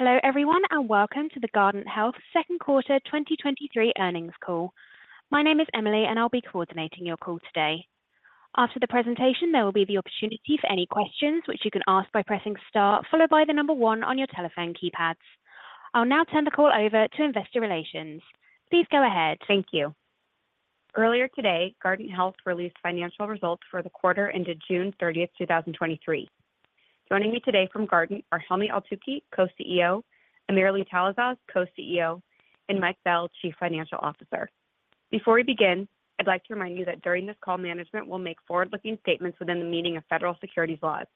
Hello everyone, and welcome to the Guardant Health second quarter 2023 earnings call. My name is Emily, and I'll be coordinating your call today. After the presentation, there will be the opportunity for any questions, which you can ask by pressing star, followed by the one on your telephone keypads. I'll now turn the call over to investor relations. Please go ahead. Thank you. Earlier today, Guardant Health released financial results for the quarter ended June 30th, 2023. Joining me today from Guardant are Helmy Eltoukhy, Co-CEO, AmirAli Talasaz, Co-CEO, and Mike Bell, Chief Financial Officer. Before we begin, I'd like to remind you that during this call, management will make forward-looking statements within the meaning of federal securities laws.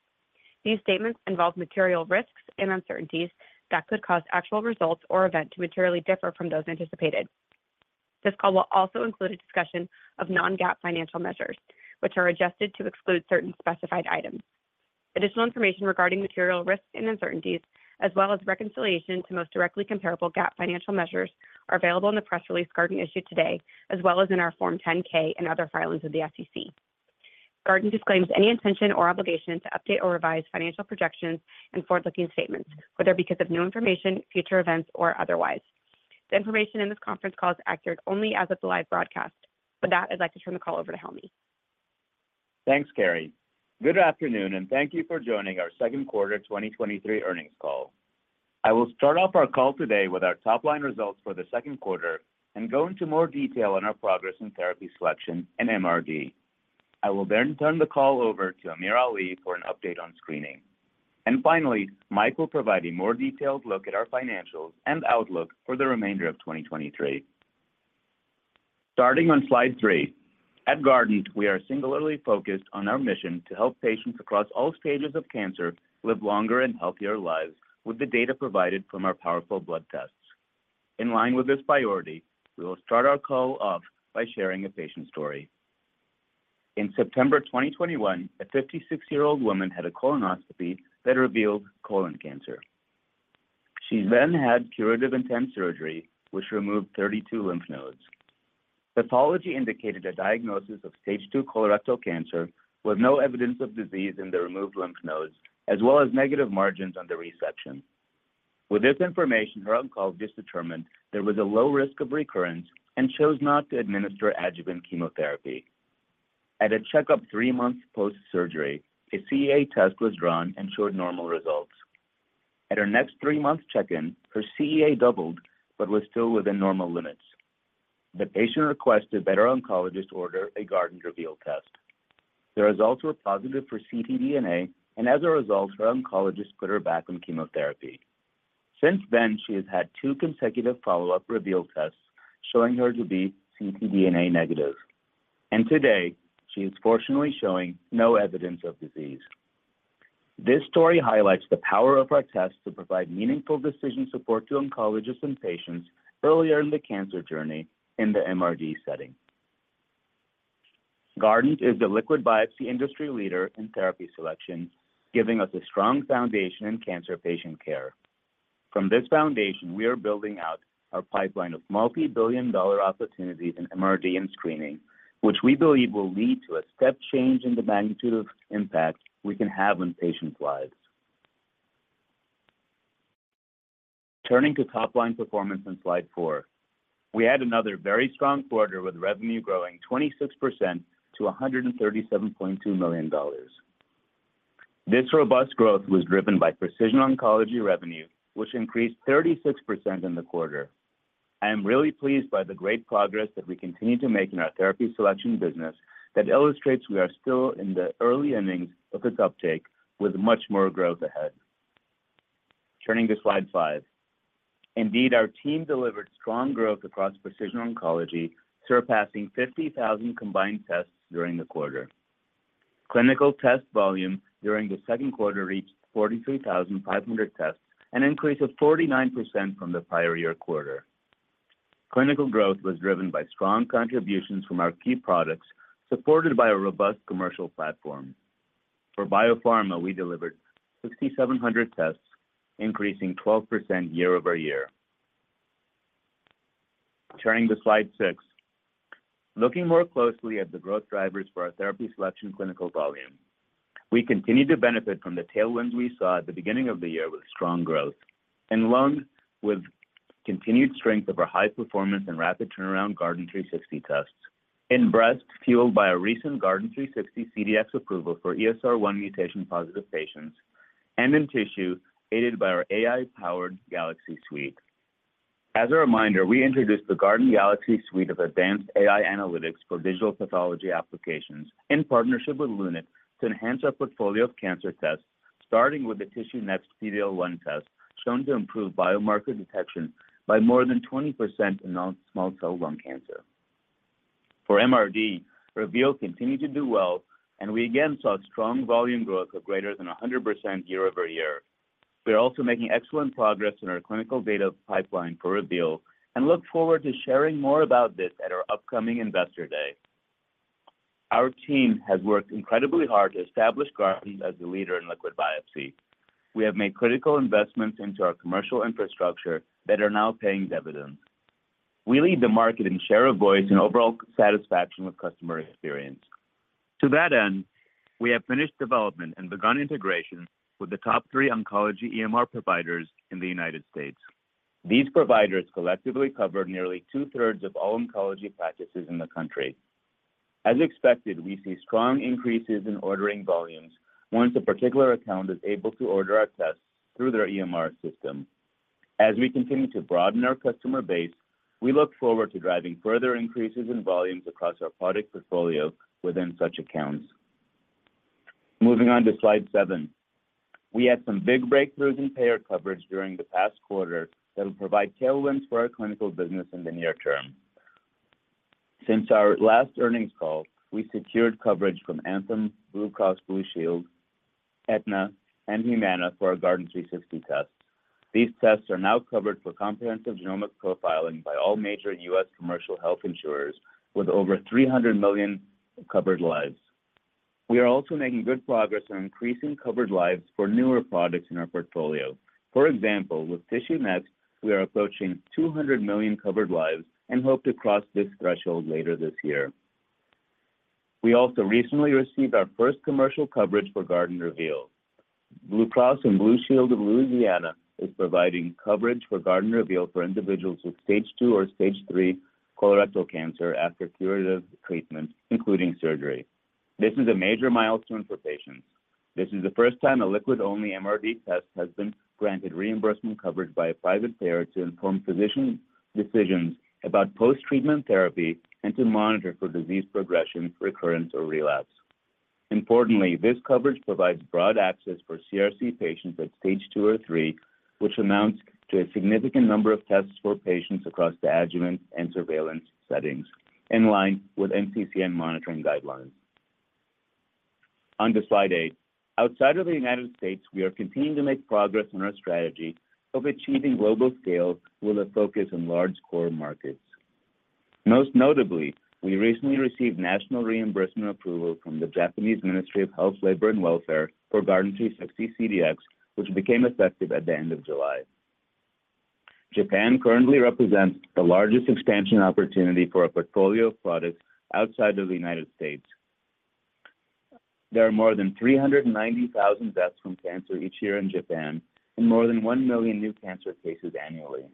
These statements involve material risks and uncertainties that could cause actual results or events to materially differ from those anticipated. This call will also include a discussion of non-GAAP financial measures, which are adjusted to exclude certain specified items. Additional information regarding material risks and uncertainties, as well as reconciliation to most directly comparable GAAP financial measures, are available in the press release Guardant issued today, as well as in our Form 10-K and other filings with the SEC. Guardant disclaims any intention or obligation to update or revise financial projections and forward-looking statements, whether because of new information, future events, or otherwise. The information in this conference call is accurate only as of the live broadcast. With that, I'd like to turn the call over to Helmy. Thanks, Carrie. Good afternoon, thank you for joining our second quarter 2023 earnings call. I will start off our call today with our top-line results for the second quarter and go into more detail on our progress in therapy selection and MRD. I will turn the call over to Amir Ali for an update on screening. Finally, Mike will provide a more detailed look at our financials and outlook for the remainder of 2023. Starting on Slide 3, at Guardant, we are singularly focused on our mission to help patients across all stages of cancer live longer and healthier lives with the data provided from our powerful blood tests. In line with this priority, we will start our call off by sharing a patient story. In September 2021, a 56-year-old woman had a colonoscopy that revealed colon cancer. She had curative intent surgery, which removed 32 lymph nodes. Pathology indicated a diagnosis of stage two colorectal cancer with no evidence of disease in the removed lymph nodes, as well as negative margins on the resection. With this information, her oncologist determined there was a low risk of recurrence and chose not to administer adjuvant chemotherapy. At a checkup three months post-surgery, a CEA test was drawn and showed normal results. At her next three-month check-in, her CEA doubled but was still within normal limits. The patient requested that her oncologist order a Guardant Reveal test. The results were positive for ctDNA, and as a result, her oncologist put her back on chemotherapy. Since then, she has had two consecutive follow-up Reveal tests, showing her to be ctDNA negative, and today, she is fortunately showing no evidence of disease. This story highlights the power of our tests to provide meaningful decision support to oncologists and patients earlier in the cancer journey in the MRD setting. Guardant is the liquid biopsy industry leader in therapy selection, giving us a strong foundation in cancer patient care. From this foundation, we are building out our pipeline of multi-billion dollar opportunities in MRD and screening, which we believe will lead to a step change in the magnitude of impact we can have on patients' lives. Turning to top-line performance on Slide 4, we had another very strong quarter, with revenue growing 26% to $137.2 million. This robust growth was driven by precision oncology revenue, which increased 36% in the quarter. I am really pleased by the great progress that we continue to make in our therapy selection business that illustrates we are still in the early innings of this uptake, with much more growth ahead. Turning to Slide 5. Indeed, our team delivered strong growth across precision oncology, surpassing 50,000 combined tests during the quarter. Clinical test volume during the second quarter reached 43,500 tests, an increase of 49% from the prior year quarter. Clinical growth was driven by strong contributions from our key products, supported by a robust commercial platform. For biopharma, we delivered 6,700 tests, increasing 12% year-over-year. Turning to Slide 6. Looking more closely at the growth drivers for our therapy selection clinical volume, we continued to benefit from the tailwinds we saw at the beginning of the year with strong growth in lung, with continued strength of our high performance and rapid turnaround Guardant360 tests. In breast, fueled by a recent Guardant360 CDx approval for ESR1 mutation-positive patients, and in tissue, aided by our AI-powered Galaxy Suite. As a reminder, we introduced the Guardant Galaxy Suite of advanced AI analytics for digital pathology applications in partnership with Lunit to enhance our portfolio of cancer tests, starting with the TissueNext PDL1 test, shown to improve biomarker detection by more than 20% in non-small cell lung cancer. For MRD, Reveal continued to do well, and we again saw strong volume growth of greater than 100% year-over-year. We are also making excellent progress in our clinical data pipeline for Reveal and look forward to sharing more about this at our upcoming Investor Day. Our team has worked incredibly hard to establish Guardant as the leader in liquid biopsy. We have made critical investments into our commercial infrastructure that are now paying dividends. We lead the market in share of voice and overall satisfaction with customer experience. To that end, we have finished development and begun integration with the top three oncology EMR providers in the United States. These providers collectively cover nearly two-thirds of all oncology practices in the country. As expected, we see strong increases in ordering volumes once a particular account is able to order our tests through their EMR system. As we continue to broaden our customer base, we look forward to driving further increases in volumes across our product portfolio within such accounts. Moving on to Slide 7. We had some big breakthroughs in payer coverage during the past quarter that will provide tailwinds for our clinical business in the near term. Since our last earnings call, we secured coverage from Anthem, Blue Cross Blue Shield, Aetna, and Humana for our Guardant360 test. These tests are now covered for comprehensive genomic profiling by all major U.S. commercial health insurers, with over $300 million covered lives. We are also making good progress on increasing covered lives for newer products in our portfolio. For example, with TissueNext, we are approaching $200 million covered lives and hope to cross this threshold later this year. We also recently received our first commercial coverage for Guardant Reveal. Blue Cross and Blue Shield of Louisiana is providing coverage for Guardant Reveal for individuals with Stage II or Stage III colorectal cancer after curative treatment, including surgery. This is a major milestone for patients. This is the first time a liquid-only MRD test has been granted reimbursement coverage by a private payer to inform physician decisions about post-treatment therapy and to monitor for disease progression, recurrence, or relapse. Importantly, this coverage provides broad access for CRC patients at stage two or three, which amounts to a significant number of tests for patients across the adjuvant and surveillance settings, in line with NCCN monitoring guidelines. On to Slide 8. Outside of the United States, we are continuing to make progress on our strategy of achieving global scale with a focus on large core markets. Most notably, we recently received national reimbursement approval from the Japanese Ministry of Health, Labour, and Welfare for Guardant360 CDx, which became effective at the end of July. Japan currently represents the largest expansion opportunity for our portfolio of products outside of the United States. There are more than 390,000 deaths from cancer each year in Japan and more than 1 million new cancer cases annually.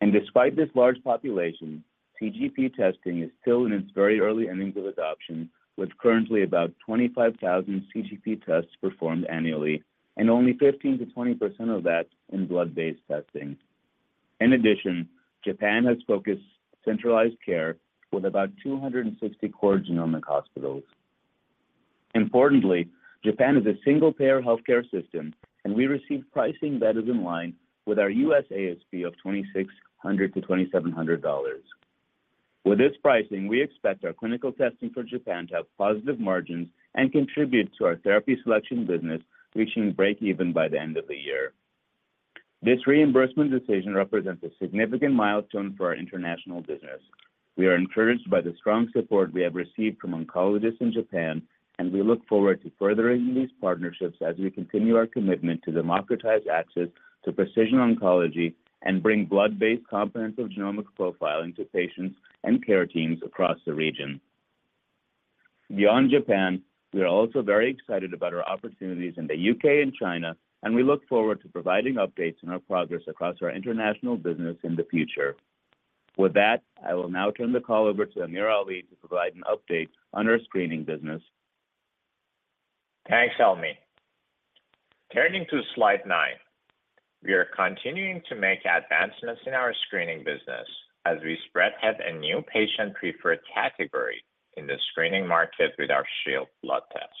Despite this large population, CGP testing is still in its very early innings of adoption, with currently about 25,000 CGP tests performed annually and only 15%-20% of that in blood-based testing. In addition, Japan has focused centralized care with about 260 core genomic hospitals. Importantly, Japan is a single-payer healthcare system, and we receive pricing that is in line with our U.S. ASP of $2,600-$2,700. With this pricing, we expect our clinical testing for Japan to have positive margins and contribute to our therapy selection business, reaching breakeven by the end of the year. This reimbursement decision represents a significant milestone for our international business. We are encouraged by the strong support we have received from oncologists in Japan, we look forward to furthering these partnerships as we continue our commitment to democratize access to precision oncology and bring blood-based comprehensive genomic profiling to patients and care teams across the region. Beyond Japan, we are also very excited about our opportunities in the U.K. and China, we look forward to providing updates on our progress across our international business in the future. With that, I will now turn the call over to AmirAli to provide an update on our screening business. Thanks, Helmy. Turning to Slide 9. We are continuing to make advancements in our screening business as we spearhead a new patient-preferred category in the screening market with our Shield blood test.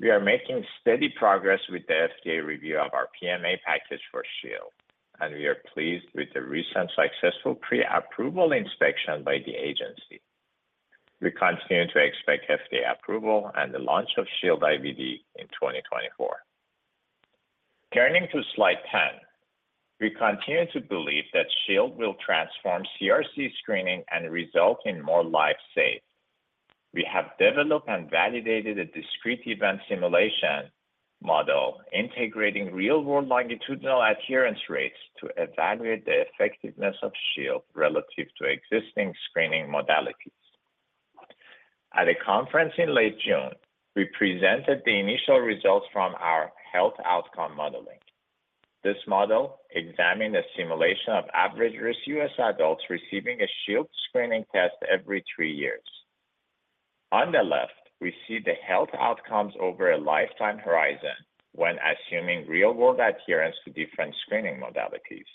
We are making steady progress with the FDA review of our PMA package for Shield, and we are pleased with the recent successful pre-approval inspection by the agency. We continue to expect FDA approval and the launch of Shield IVD in 2024. Turning to Slide 10. We continue to believe that Shield will transform CRC screening and result in more lives saved. We have developed and validated a discrete event simulation model, integrating real-world longitudinal adherence rates to evaluate the effectiveness of Shield relative to existing screening modalities. At a conference in late June, we presented the initial results from our health outcome modeling. This model examined a simulation of average-risk U.S. adults receiving a Shield screening test every three years. On the left, we see the health outcomes over a lifetime horizon when assuming real-world adherence to different screening modalities.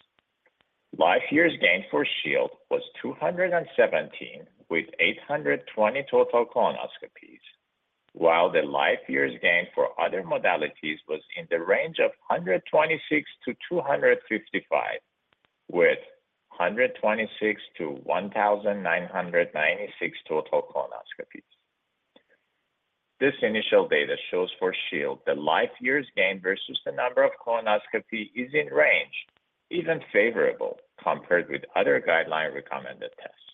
Life years gained for Shield was 217, with 820 total colonoscopies, while the life years gained for other modalities was in the range of 126 to 255, with 126 to 1,996 total colonoscopies. This initial data shows for Shield the life years gained versus the number of colonoscopy is in range, even favorable, compared with other guideline-recommended tests.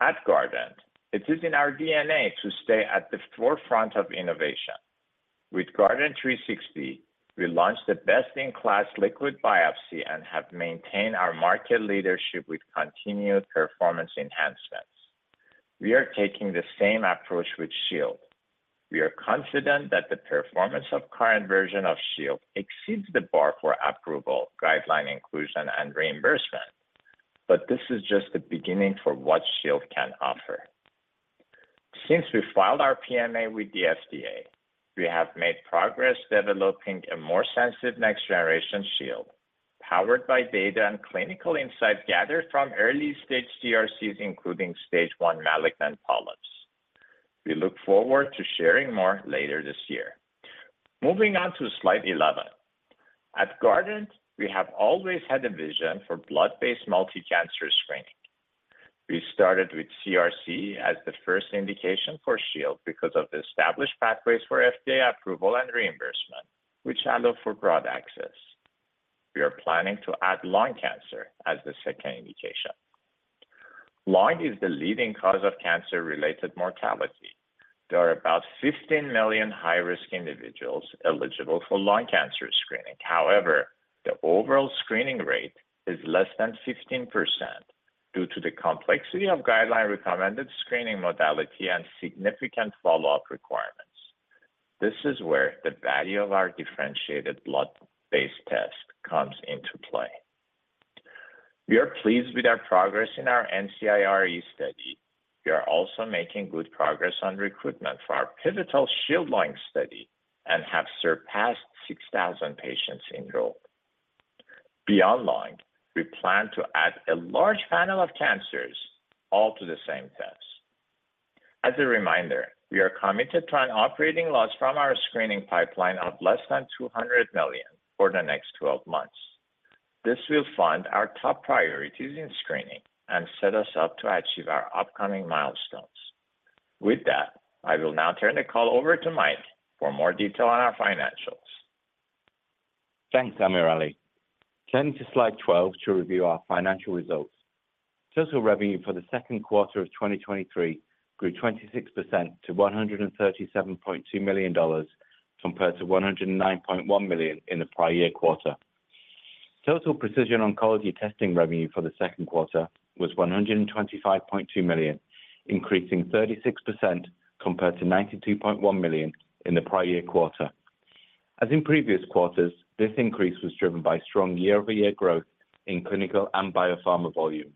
At Guardant, it is in our DNA to stay at the forefront of innovation. With Guardant360, we launched the best-in-class liquid biopsy and have maintained our market leadership with continued performance enhancements. We are taking the same approach with Shield. We are confident that the performance of current version of Shield exceeds the bar for approval, guideline inclusion, and reimbursement. This is just the beginning for what Shield can offer. Since we filed our PMA with the FDA, we have made progress developing a more sensitive next-generation Shield, powered by data and clinical insights gathered from early-stage CRCs, including Stage 1 malignant polyps. We look forward to sharing more later this year. Moving on to Slide 11. At Guardant, we have always had a vision for blood-based multi-cancer screening. We started with CRC as the first indication for Shield because of the established pathways for FDA approval and reimbursement, which allow for broad access. We are planning to add lung cancer as the second indication. Lung is the leading cause of cancer-related mortality. There are about 15 million high-risk individuals eligible for lung cancer screening. However, the overall screening rate is less than 15% due to the complexity of guideline-recommended screening modality and significant follow-up requirements. This is where the value of our differentiated blood-based test comes into play. We are pleased with our progress in our NCIRE study. We are also making good progress on recruitment for our pivotal SHIELD LUNG study and have surpassed 6,000 patients enrolled. Beyond lung, we plan to add a large panel of cancers all to the same test. As a reminder, we are committed to non-operating loss from our screening pipeline of less than $200 million for the next 12 months. This will fund our top priorities in screening and set us up to achieve our upcoming milestones. With that, I will now turn the call over to Mike for more detail on our financials. Thanks, AmirAli. Turning to Slide 12 to review our financial results. Total revenue for the second quarter of 2023 grew 26% to $137.2 million, compared to $109.1 million in the prior year quarter. Total precision oncology testing revenue for the second quarter was $125.2 million, increasing 36% compared to $92.1 million in the prior year quarter. As in previous quarters, this increase was driven by strong year-over-year growth in clinical and biopharma volumes.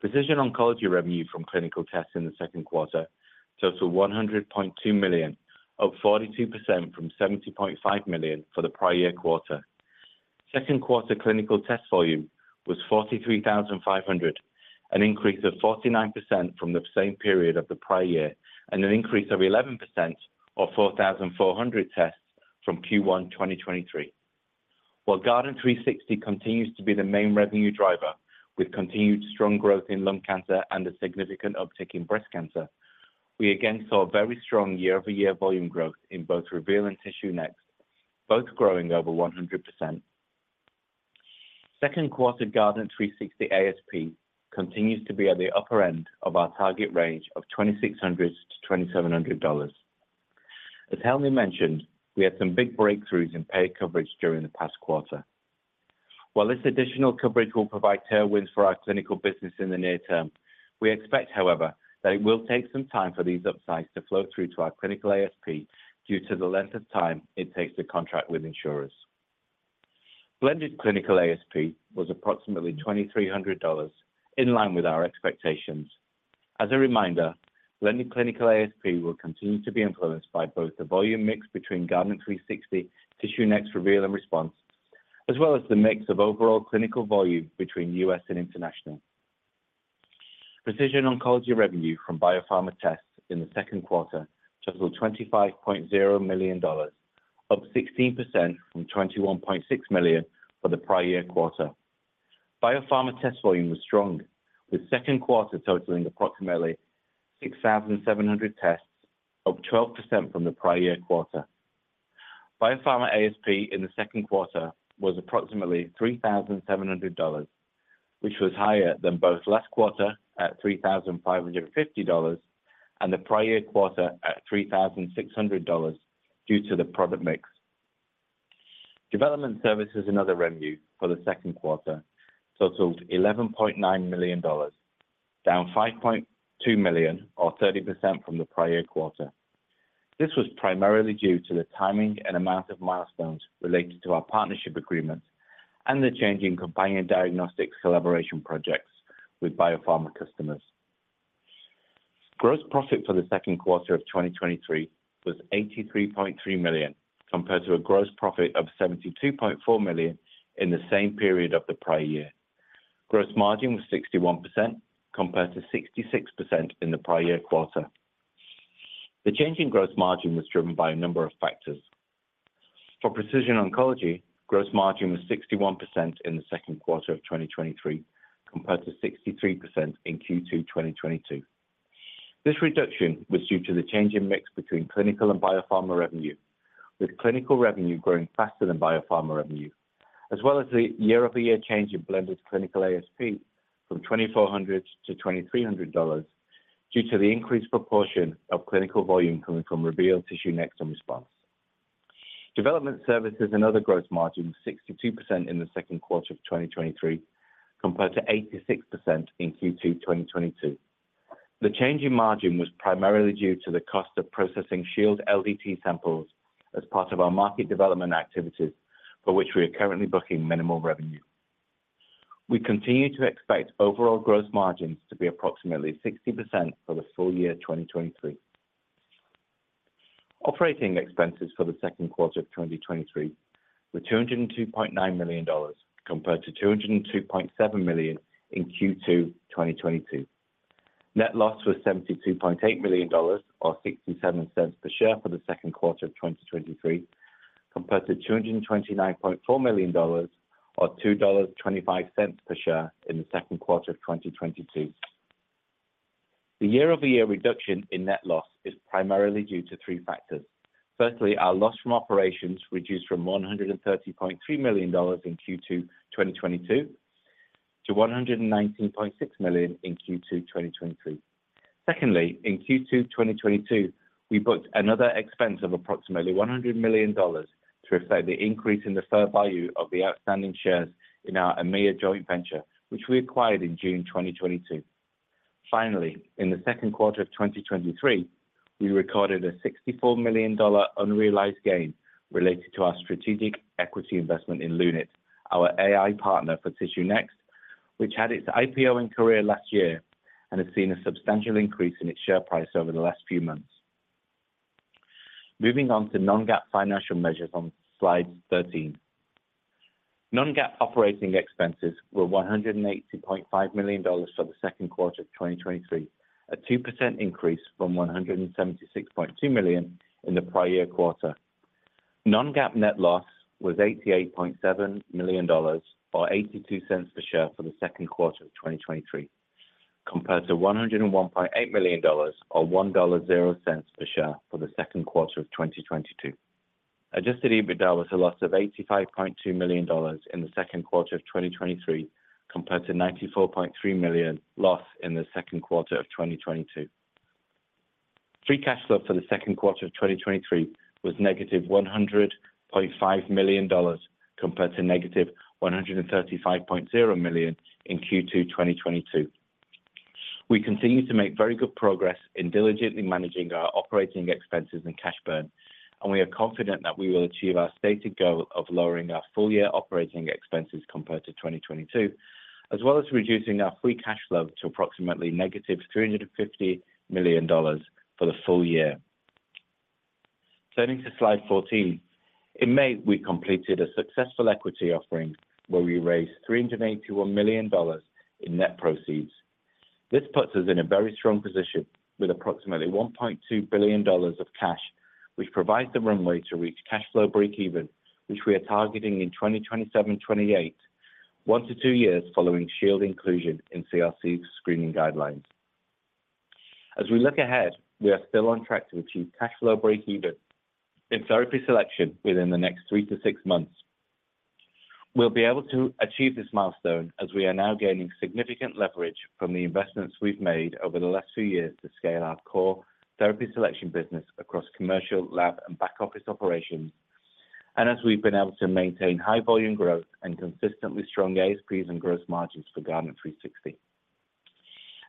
Precision oncology revenue from clinical tests in the second quarter totaled $100.2 million, up 42% from $70.5 million for the prior year quarter. Second quarter clinical test volume was 43,500, an increase of 49% from the same period of the prior year, and an increase of 11% or 4,400 tests from Q1, 2023. While Guardant360 continues to be the main revenue driver, with continued strong growth in lung cancer and a significant uptick in breast cancer, we again saw a very strong year-over-year volume growth in both Reveal and TissueNext, both growing over 100%. Second quarter Guardant360 ASP continues to be at the upper end of our target range of $2,600-$2,700. As Helmy mentioned, we had some big breakthroughs in paid coverage during the past quarter. While this additional coverage will provide tailwinds for our clinical business in the near term, we expect, however, that it will take some time for these upsides to flow through to our clinical ASP due to the length of time it takes to contract with insurers. Blended clinical ASP was approximately $2,300, in line with our expectations. As a reminder, blended clinical ASP will continue to be influenced by both the volume mix between Guardant360, TissueNext, Reveal, and Response, as well as the mix of overall clinical volume between U.S. and international. Precision oncology revenue from biopharma tests in the second quarter totaled $25.0 million, up 16% from $21.6 million for the prior year quarter. Biopharma test volume was strong, with second quarter totaling approximately 6,700 tests, up 12% from the prior year quarter. Biopharma ASP in the second quarter was approximately $3,700, which was higher than both last quarter, at $3,550, and the prior quarter, at $3,600, due to the product mix. Development services and other revenue for the second quarter totaled $11.9 million, down $5.2 million, or 30% from the prior quarter. This was primarily due to the timing and amount of milestones related to our partnership agreements and the change in companion diagnostic collaboration projects with biopharma customers. Gross profit for the second quarter of 2023 was $83.3 million, compared to a gross profit of $72.4 million in the same period of the prior year. Gross margin was 61%, compared to 66% in the prior year quarter. The change in gross margin was driven by a number of factors. For precision oncology, gross margin was 61% in the second quarter of 2023, compared to 63% in Q2 2022. This reduction was due to the change in mix between clinical and biopharma revenue, with clinical revenue growing faster than biopharma revenue, as well as the year-over-year change in blended clinical ASP from $2,400-$2,300, due to the increased proportion of clinical volume coming from Reveal TissueNext in Response. Development services and other gross margin, 62% in the second quarter of 2023, compared to 86% in Q2 2022. The change in margin was primarily due to the cost of processing Shield LDT samples as part of our market development activities, for which we are currently booking minimal revenue. We continue to expect overall gross margins to be approximately 60% for the full year 2023. Operating expenses for the second quarter of 2023 were $202.9 million, compared to $202.7 million in Q2 2022. Net loss was $72.8 million, or $0.67 per share for the second quarter of 2023, compared to $229.4 million, or $2.25 per share in the second quarter of 2022. The year-over-year reduction in net loss is primarily due to three factors. Firstly, our loss from operations reduced from $130.3 million in Q2 2022 to $119.6 million in Q2 2023. Secondly, in Q2 2022, we booked another expense of approximately $100 million to reflect the increase in the fair value of the outstanding shares in our EMEA joint venture, which we acquired in June 2022. Finally, in the second quarter of 2023, we recorded a $64 million unrealized gain related to our strategic equity investment in Lunit, our AI partner for TissueNext, which had its IPO in Korea last year and has seen a substantial increase in its share price over the last few months. Moving on to non-GAAP financial measures on Slide 13. Non-GAAP operating expenses were $180.5 million for the second quarter of 2023, a 2% increase from $176.2 million in the prior year quarter. Non-GAAP net loss was $88.7 million or $0.82 per share for the 2Q 2023, compared to $101.8 million or $1.00 per share for the 2Q 2022. Adjusted EBITDA was a loss of $85.2 million in the 2Q 2023, compared to $94.3 million loss in the 2Q 2022. Free cash flow for the 2Q 2023 was negative $100.5 million, compared to negative $135.0 million in Q2 2022. We continue to make very good progress in diligently managing our operating expenses and cash burn, and we are confident that we will achieve our stated goal of lowering our full-year operating expenses compared to 2022, as well as reducing our free cash flow to approximately -$350 million for the full year. Turning to Slide 14. In May, we completed a successful equity offering where we raised $381 million in net proceeds. This puts us in a very strong position with approximately $1.2 billion of cash, which provides the runway to reach cash flow breakeven, which we are targeting in 2027, 2028, one to two years following Shield inclusion in CRC screening guidelines. As we look ahead, we are still on track to achieve cash flow breakeven in therapy selection within the next three to six months. We'll be able to achieve this milestone as we are now gaining significant leverage from the investments we've made over the last few years to scale our core therapy selection business across commercial, lab, and back office operations. As we've been able to maintain high volume growth and consistently strong ASPs and gross margins for Guardant360.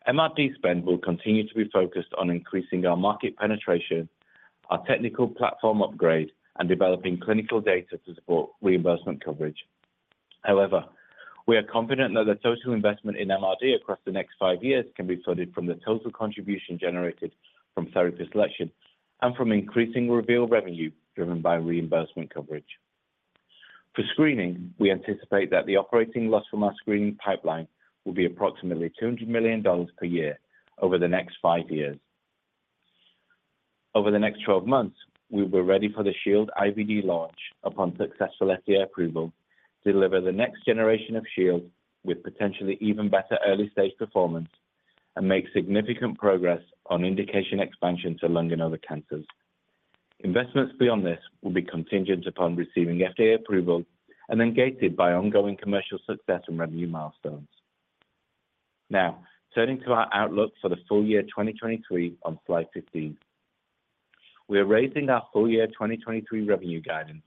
MRD spend will continue to be focused on increasing our market penetration, our technical platform upgrade, and developing clinical data to support reimbursement coverage. However, we are confident that the total investment in MRD across the next five years can be sorted from the total contribution generated from therapy selection and from increasing Reveal revenue, driven by reimbursement coverage. For screening, we anticipate that the operating loss from our screening pipeline will be approximately $200 million per year over the next five years. Over the next 12 months, we were ready for the Shield IVD launch upon successful FDA approval, deliver the next generation of Shield with potentially even better early-stage performance, and make significant progress on indication expansion to lung and other cancers. Investments beyond this will be contingent upon receiving FDA approval and then gated by ongoing commercial success and revenue milestones. Now, turning to our outlook for the full year 2023 on Slide 15. We are raising our full year 2023 revenue guidance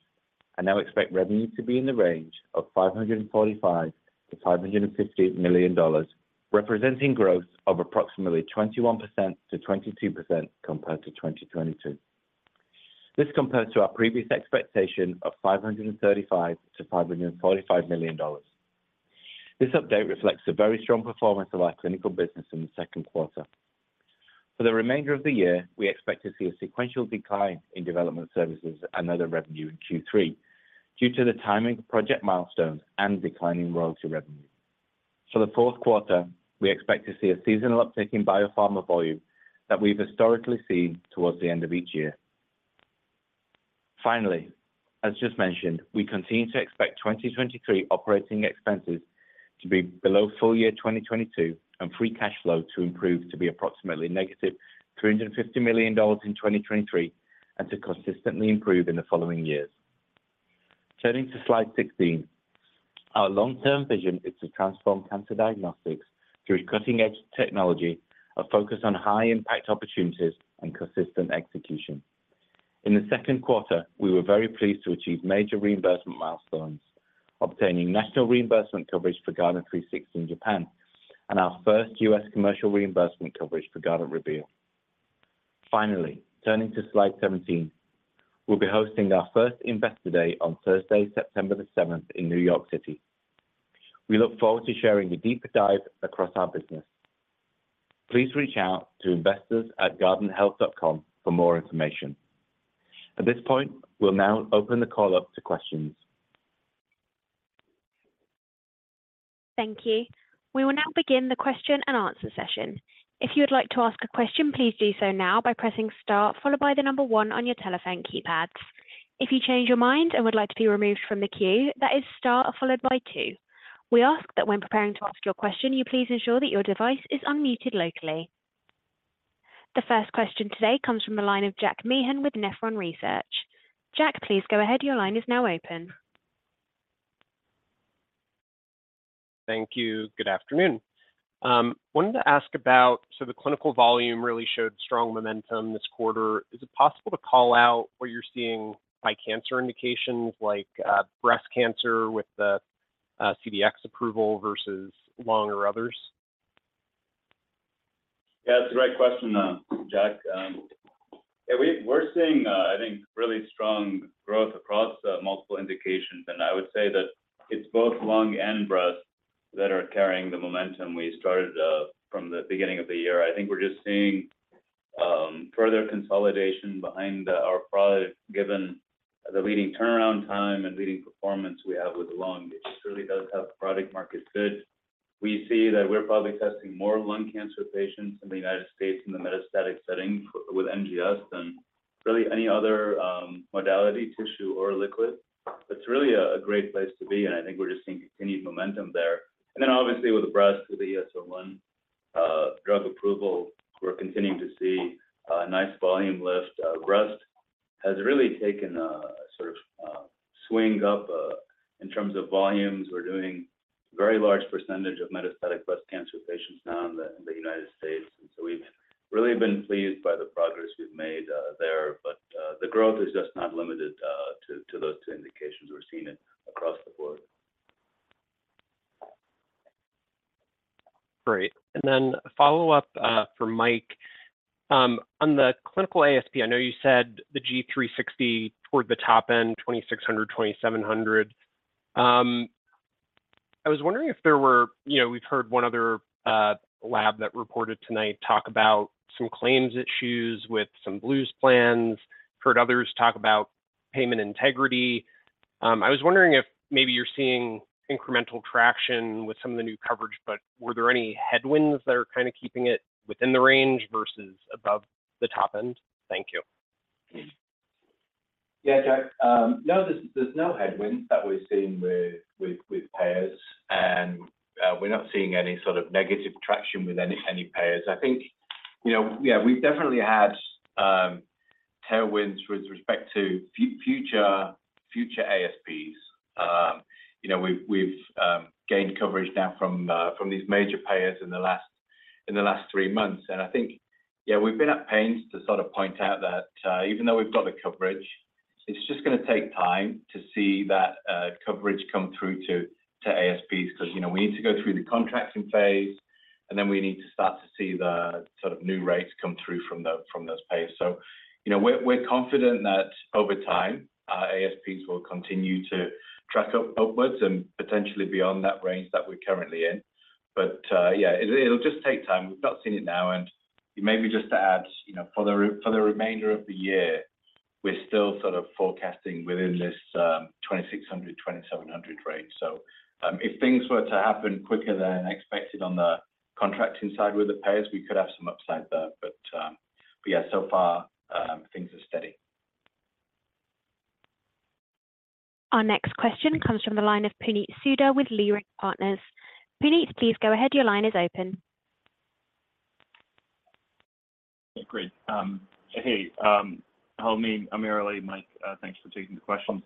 and now expect revenue to be in the range of $545 million-$550 million, representing growth of approximately 21%-22% compared to 2022. This compares to our previous expectation of $535 million-$545 million. This update reflects the very strong performance of our clinical business in the second quarter. For the remainder of the year, we expect to see a sequential decline in development services and other revenue in Q3 due to the timing of project milestones and declining royalty revenue. For the fourth quarter, we expect to see a seasonal uptick in biopharma volume that we've historically seen towards the end of each year.... Finally, as just mentioned, we continue to expect 2023 operating expenses to be below full year 2022, and free cash flow to improve to be approximately negative $350 million in 2023, and to consistently improve in the following years. Turning to Slide 16. Our long-term vision is to transform cancer diagnostics through cutting-edge technology, a focus on high-impact opportunities, and consistent execution. In the second quarter, we were very pleased to achieve major reimbursement milestones, obtaining national reimbursement coverage for Guardant360 in Japan, and our first U.S. commercial reimbursement coverage for Guardant Reveal. Finally, turning to Slide 17. We'll be hosting our first Investor Day on Thursday, September the 7th in New York City. We look forward to sharing a deeper dive across our business. Please reach out to investors@guardanthealth.com for more information. At this point, we'll now open the call up to questions. Thank you. We will now begin the question-and-answer session. If you would like to ask a question, please do so now by pressing star, followed by number one on your telephone keypads. If you change your mind and would like to be removed from the queue, that is star followed by two. We ask that when preparing to ask your question, you please ensure that your device is unmuted locally. The first question today comes from the line of Jack Meehan with Nephron Research. Jack, please go ahead. Your line is now open. Thank you. Good afternoon. wanted to ask about, the clinical volume really showed strong momentum this quarter. Is it possible to call out where you're seeing high cancer indications like, breast cancer with the CDx approval versus lung or others? Yeah, that's a great question, Jack. Yeah, we're seeing, I think, really strong growth across multiple indications, and I would say that it's both lung and breast that are carrying the momentum we started from the beginning of the year. I think we're just seeing further consolidation behind our product, given the leading turnaround time and leading performance we have with lung. It just really does have the product market good. We see that we're probably testing more lung cancer patients in the United States, in the metastatic setting with NGS than really any other modality, tissue, or liquid. It's really a great place to be, and I think we're just seeing continued momentum there. Obviously, with the breast, with the ESR1 drug approval, we're continuing to see a nice volume lift. Breast has really taken, a, swing up, in terms of volumes. We're doing very large percentage of metastatic breast cancer patients now in the, in the United States, and so we've really been pleased by the progress we've made, there. The growth is just not limited, to, to those two indications. We're seeing it across the board. Great. Follow up for Mike. On the clinical ASP, I know you said the Guardant360 toward the top end, $2,600-$2,700. I was wondering if there were... You know, we've heard one other lab that reported tonight talk about some claims issues with some Blues plans. Heard others talk about payment integrity. I was wondering if maybe you're seeing incremental traction with some of the new coverage, but were there any headwinds that are keeping it within the range versus above the top end? Thank you. Yeah, Jack. No, there's, there's no headwinds that we're seeing with, with, with payers, we're not seeing any sort of negative traction with any, any payers. I think, you know, yeah, we've definitely had tailwinds with respect to future ASPs. You know, we've, we've gained coverage now from these major payers in the last, in the last three months. I think, yeah, we've been at pains to sort of point out that even though we've got the coverage, it's just gonna take time to see that coverage come through to, to ASPs. 'Cause, you know, we need to go through the contracting phase, and then we need to start to see the sort of new rates come through from those, from those payers. You know, we're confident that over time, our ASPs will continue to track upwards and potentially beyond that range that we're currently in. Yeah, it'll just take time. We've not seen it now, and maybe just to add, you know, for the remainder of the year, we're still sort of forecasting within this $2,600-$2,700 range. If things were to happen quicker than expected on the contracting side with the payers, we could have some upside there. Yeah, so far, things are steady. Our next question comes from the line of Puneet Souda with Leerink Partners. Puneet, please go ahead. Your line is open. Great. Helmy Eltoukhy, AmirAli Talasaz, Mike Bell, thanks for taking the question.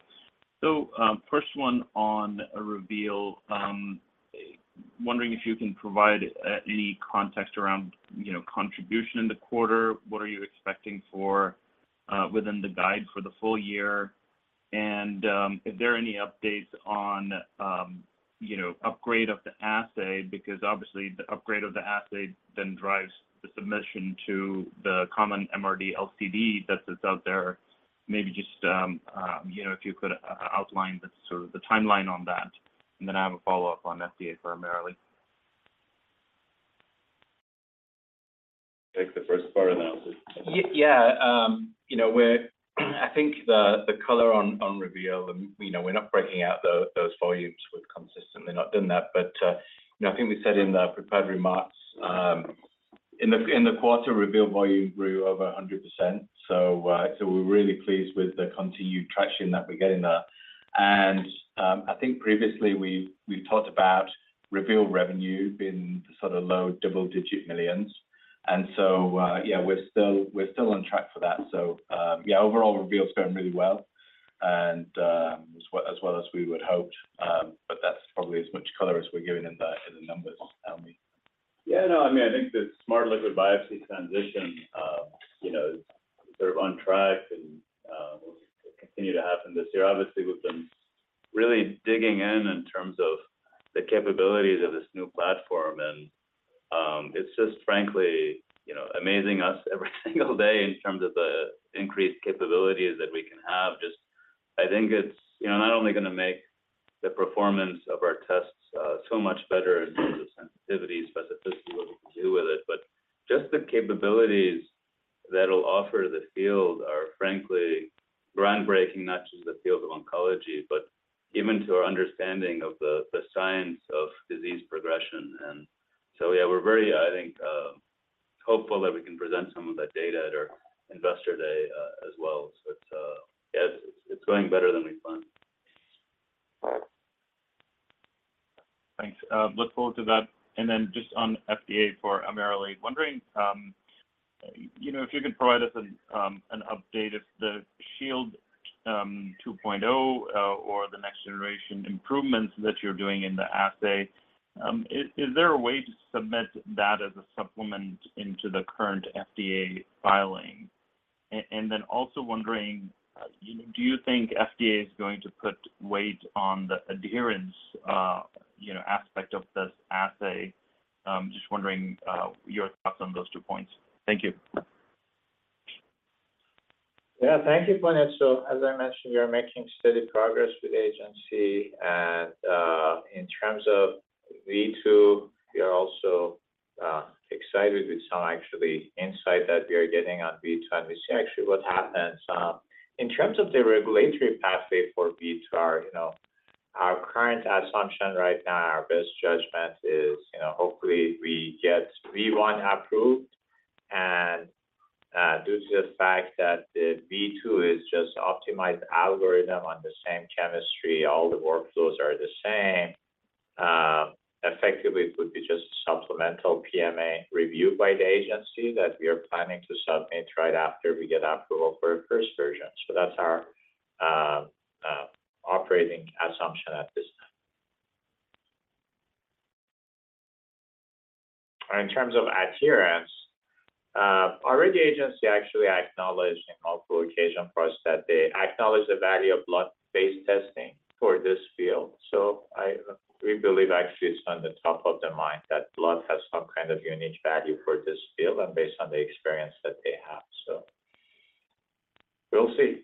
First one on a Guardant Reveal. Wondering if you can provide any context around, you know, contribution in the quarter. What are you expecting for within the guide for the full year? Are there any updates on, you know, upgrade of the assay? Because obviously, the upgrade of the assay then drives the submission to the common MRD LCD that is out there. Maybe just, you know, if you could outline the sort of the timeline on that, and then I have a follow-up on FDA for AmirAli Talasaz. Take the first part, and then I'll take the second. Yeah. You know, we're, I think the color on Reveal, and, you know, we're not breaking out those volumes. Certainly not done that. You know, I think we said in the prepared remarks, in the quarter, Reveal volume grew over 100%. So we're really pleased with the continued traction that we're getting there. I think previously, we've talked about Reveal revenue being sort of low double-digit millions. Yeah, we're still on track for that. Yeah, overall, Reveal's going really well, and as well as we would hoped. That's probably as much color as we're giving in the numbers, Helmy? Yeah, no, I mean, I think the Smart Liquid Biopsy transition, you know, is sort of on track and will continue to happen this year. Obviously, we've been really digging in in terms of the capabilities of this new platform, and it's just frankly, you know, amazing us every single day in terms of the increased capabilities that we can have. Just I think it's, you know, not only gonna make the performance of our tests, so much better in terms of sensitivity, specificity, what we can do with it. But just the capabilities that'll offer the field are frankly groundbreaking, not just in the field of oncology, but even to our understanding of the science of disease progression. So, yeah, we're very, I think, hopeful that we can present some of that data at our Investor Day as well. Yes, it's, it's going better than we planned. Thanks. Look forward to that. Just on FDA for AmirAli. Wondering, you know, if you could provide us an update if the Shield 2.0, or the next generation improvements that you're doing in the assay, is there a way to submit that as a supplement into the current FDA filing? Also wondering, you know, do you think FDA is going to put weight on the adherence, you know, aspect of this assay? Just wondering, your thoughts on those two points. Thank you. Yeah. Thank you, Puneet. As I mentioned, we are making steady progress with the agency. In terms of V2, we are also excited with some actually insight that we are getting on V2. We see actually what happens in terms of the regulatory pathway for V2, you know, our current assumption right now, our best judgment is, you know, hopefully, we get V1 approved. Due to the fact that the V2 is just optimized algorithm on the same chemistry, all the workflows are the same, effectively, it would be just supplemental PMA review by the agency that we are planning to submit right after we get approval for our first version. That's our operating assumption at this time. In terms of adherence, already the agency actually acknowledged in multiple occasion for us that they acknowledge the value of blood-based testing for this field. We believe actually it's on the top of their mind, that blood has some kind of unique value for this field and based on the experience that they have. We'll see.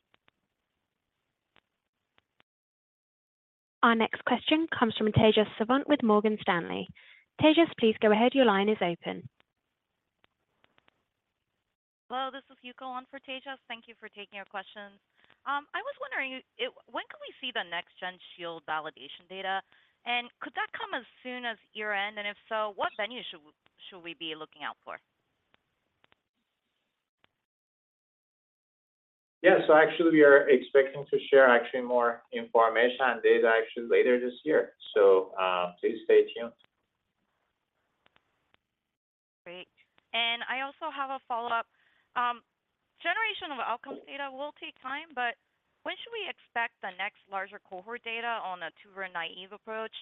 Our next question comes from Tejas Sawant with Morgan Stanley. Tejas, please go ahead. Your line is open. Hello, this is Yuko on for Tejas. Thank you for taking our question. I was wondering when can we see the next gen Shield validation data, and could that come as soon as year-end? If so, what venue should we be looking out for? Yes. Actually, we are expecting to share actually more information on this actually later this year. Please stay tuned. Great. I also have a follow-up. Generation of outcome data will take time, but when should we expect the next larger cohort data on a tumor-naive approach?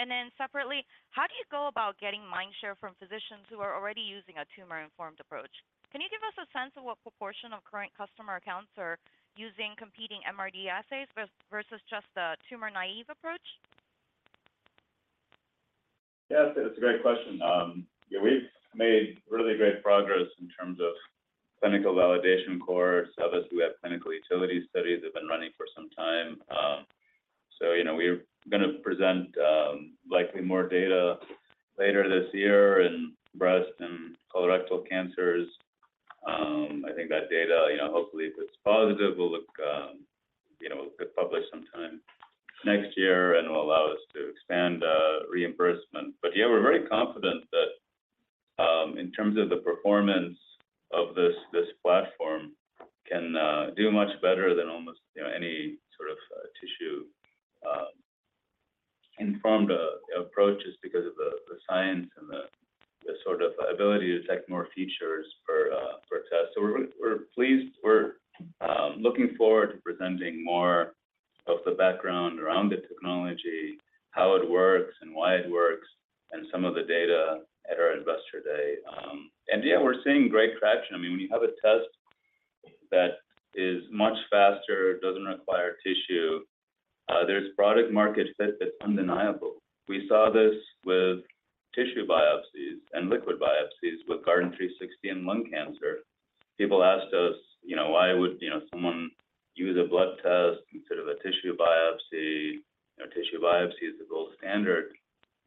Then separately, how do you go about getting mind share from physicians who are already using a tumor-informed approach? Can you give us a sense of what proportion of current customer accounts are using competing MRD assays versus just the tumor-naive approach? Yes, it's a great question. Yeah, we've made really great progress in terms of clinical validation cohorts. Others who have clinical utility studies have been running for some time. You know, we're gonna present, likely more data later this year in breast and colorectal cancers. I think that data, you know, hopefully, if it's positive, will look, you know, get published sometime next year and will allow us to expand reimbursement. Yeah, we're very confident that, in terms of the performance of this, this platform can do much better than almost, you know, any sort of tissue-informed approaches because of the science and the sort of ability to detect more features for a test. We're, we're pleased. We're looking forward to presenting more of the background around the technology, how it works, and why it works, and some of the data at our Investor Day. Yeah, we're seeing great traction. I mean, when you have a test that is much faster, doesn't require tissue, there's product-market fit that's undeniable. We saw this with tissue biopsies and liquid biopsies with Guardant360 and lung cancer. People asked us, you know, "Why would, you know, someone use a blood test instead of a tissue biopsy? You know, tissue biopsy is the gold standard.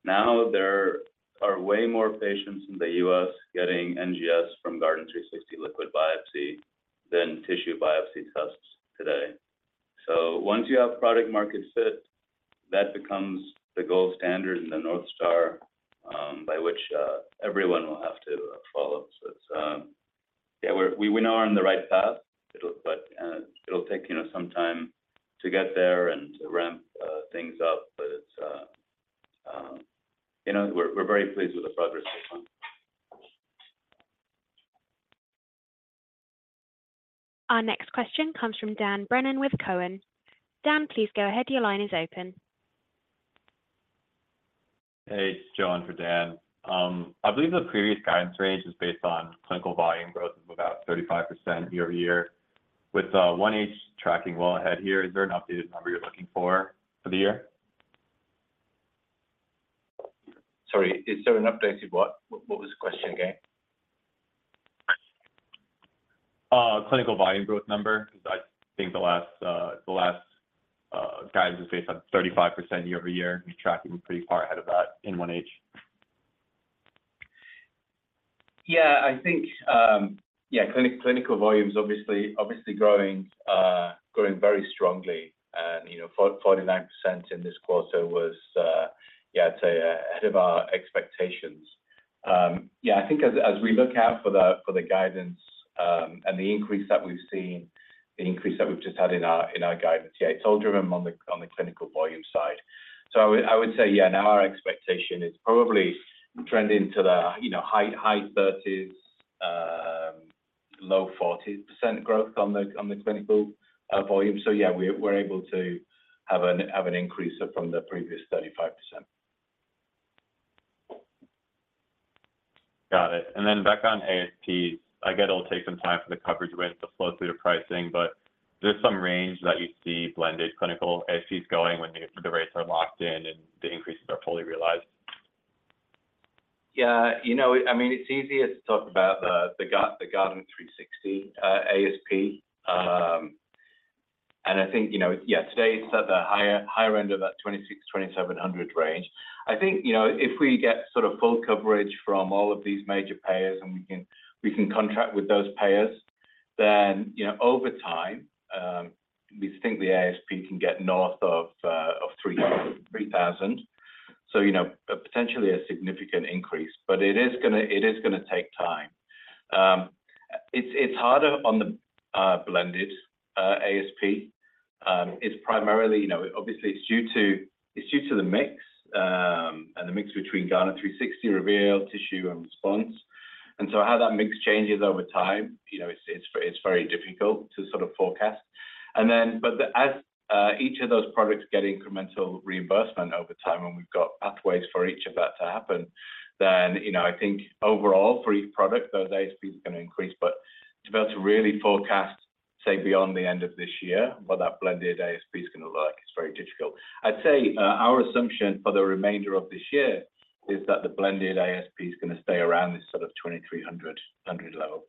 There are way more patients in the U.S. getting NGS from Guardant360 liquid biopsy than tissue biopsy tests today. Once you have product market fit, that becomes the gold standard and the North Star, by which everyone will have to follow. It's, yeah, we know we're on the right path. It'll take, you know, some time to get there and to ramp things up. It's, you know, we're, we're very pleased with the progress so far. Our next question comes from Dan Brennan with Cowen. Dan, please go ahead. Your line is open. Hey, it's John for Dan. I believe the previous guidance range is based on clinical volume growth of about 35% year-over-year. With, 1H tracking well ahead here, is there an updated number you're looking for for the year? Sorry, is there an updated what? What, what was the question again? Clinical volume growth number, because I think the last, the last, guidance was based on 35% year-over-year. You're tracking pretty far ahead of that in 1H. Yeah, I think, yeah, clinical volume's obviously, obviously growing, growing very strongly. You know, 49% in this quarter was, I'd say, ahead of our expectations. I think as, as we look out for the, for the guidance, and the increase that we've seen, the increase that we've just had in our, in our guidance, it's all driven on the, on the clinical volume side. I would, I would say, now our expectation is probably trending to the, you know, high 30s, low 40% growth on the clinical volume. We're, we're able to have an, have an increase from the previous 35%. Got it. Then back on ASP, I get it'll take some time for the coverage rates to flow through your pricing, but is there some range that you see blended clinical ASP going when the, the rates are locked in and the increases are fully realized? Yeah, you know, I mean, it's easier to talk about the, the Guardant360 ASP. I think, you know, yeah, today it's at the higher, higher end of that $2,600-$2,700 range. I think, you know, if we get sort of full coverage from all of these major payers and we can, we can contract with those payers, then, you know, over time, we think the ASP can get north of $3,000. You know, potentially a significant increase. It is gonna, it is gonna take time. It's, it's harder on the blended ASP. It's primarily, you know, obviously, it's due to, it's due to the mix, and the mix between Guardant Reveal, Tissue, and Guardant Response. So how that mix changes over time, you know, it's, it's, it's very difficult to sort of forecast. Then, as each of those products get incremental reimbursement over time, and we've got pathways for each of that to happen, then, you know, I think overall for each product, those ASPs are gonna increase. To be able to really forecast, say, beyond the end of this year, what that blended ASP is gonna look is very difficult. I'd say, our assumption for the remainder of this year is that the blended ASP is gonna stay around this sort of $2,300 level.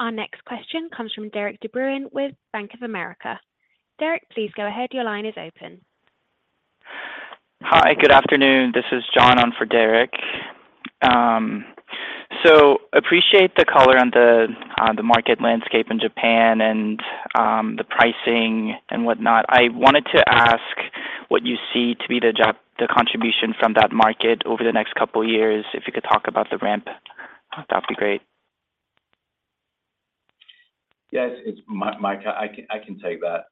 Our next question comes from Derik De Bruin with Bank of America. Derik, please go ahead. Your line is open. Hi, good afternoon. This is John on for Derik. Appreciate the color on the, the market landscape in Japan and, the pricing and whatnot. I wanted to ask what you see to be the the contribution from that market over the next couple of years. If you could talk about the ramp, that'd be great. Yes, it's Mike. I can, I can take that.